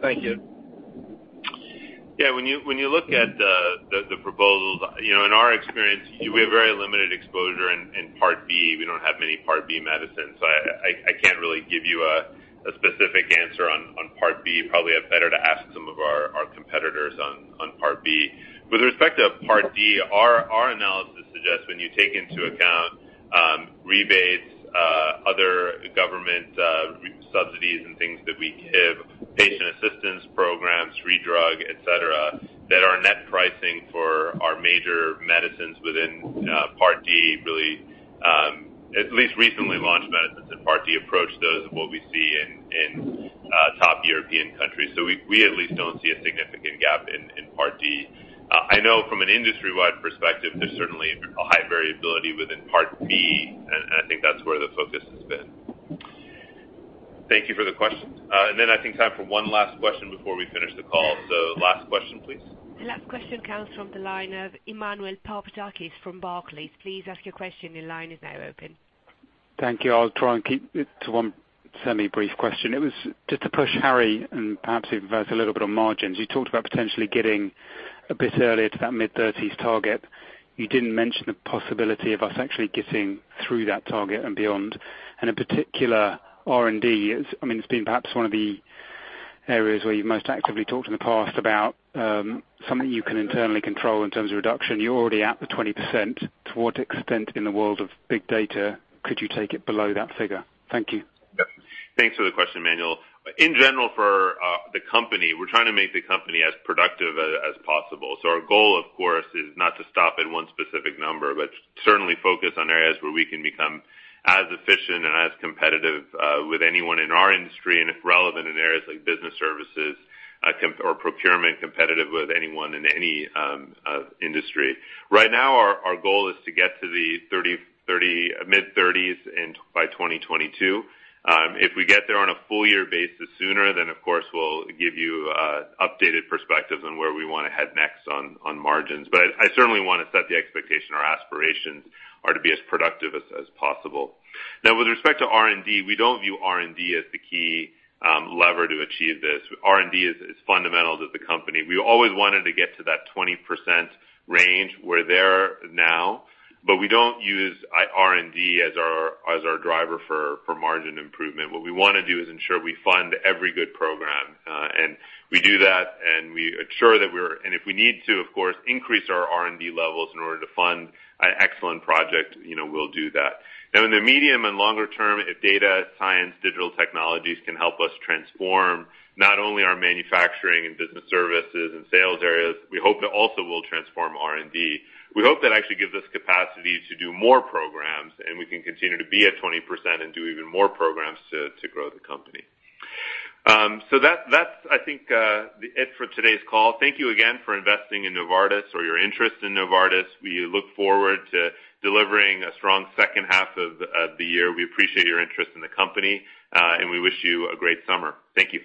Thank you. Yeah. When you look at the proposals, in our experience, we have very limited exposure in Part D. We don't have many Part D medicines. I can't really give you a specific answer on Part D. Probably better to ask some of our competitors on Part D. With respect to Part D, our analysis suggests when you take into account rebates, other government subsidies and things that we give, patient assistance programs, free drug, et cetera, that our net pricing for our major medicines within Part D, at least recently launched medicines in Part D, approach those of what we see in top European countries. We at least don't see a significant gap in Part D. I know from an industry-wide perspective, there's certainly a high variability within Part D, and I think that's where the focus has been. Thank you for the question. I think time for one last question before we finish the call. Last question, please. The last question comes from the line of Emmanuel Papadakis from Barclays. Please ask your question. Your line is now open. Thank you. I'll try and keep it to one semi-brief question. It was just to push Harry Kirsch, and perhaps even Vas Narasimhan, a little bit on margins. You talked about potentially getting a bit earlier to that mid-30s target. You didn't mention the possibility of us actually getting through that target and beyond. In particular, R&D. It's been perhaps one of the areas where you've most actively talked in the past about something you can internally control in terms of reduction. You're already at the 20%. To what extent in the world of big data could you take it below that figure? Thank you. Yep. Thanks for the question, Emmanuel Papadakis. In general, for the company, we're trying to make the company as productive as possible. Our goal, of course, is not to stop at one specific number, but certainly focus on areas where we can become as efficient and as competitive with anyone in our industry, and if relevant in areas like business services or procurement, competitive with anyone in any industry. Right now, our goal is to get to the mid-30s by 2022. If we get there on a full year basis sooner, of course we'll give you updated perspectives on where we want to head next on margins. I certainly want to set the expectation, our aspirations are to be as productive as possible. With respect to R&D, we don't view R&D as the key lever to achieve this. R&D is as fundamental to the company. We always wanted to get to that 20% range. We're there now, we don't use R&D as our driver for margin improvement. What we want to do is ensure we fund every good program. We do that, and if we need to, of course, increase our R&D levels in order to fund an excellent project, we'll do that. In the medium and longer term, if data science digital technologies can help us transform not only our manufacturing and business services and sales areas, we hope that also will transform R&D. We hope that actually gives us capacity to do more programs, and we can continue to be at 20% and do even more programs to grow the company. That's I think it for today's call. Thank you again for investing in Novartis or your interest in Novartis. We look forward to delivering a strong second half of the year. We appreciate your interest in the company, and we wish you a great summer. Thank you.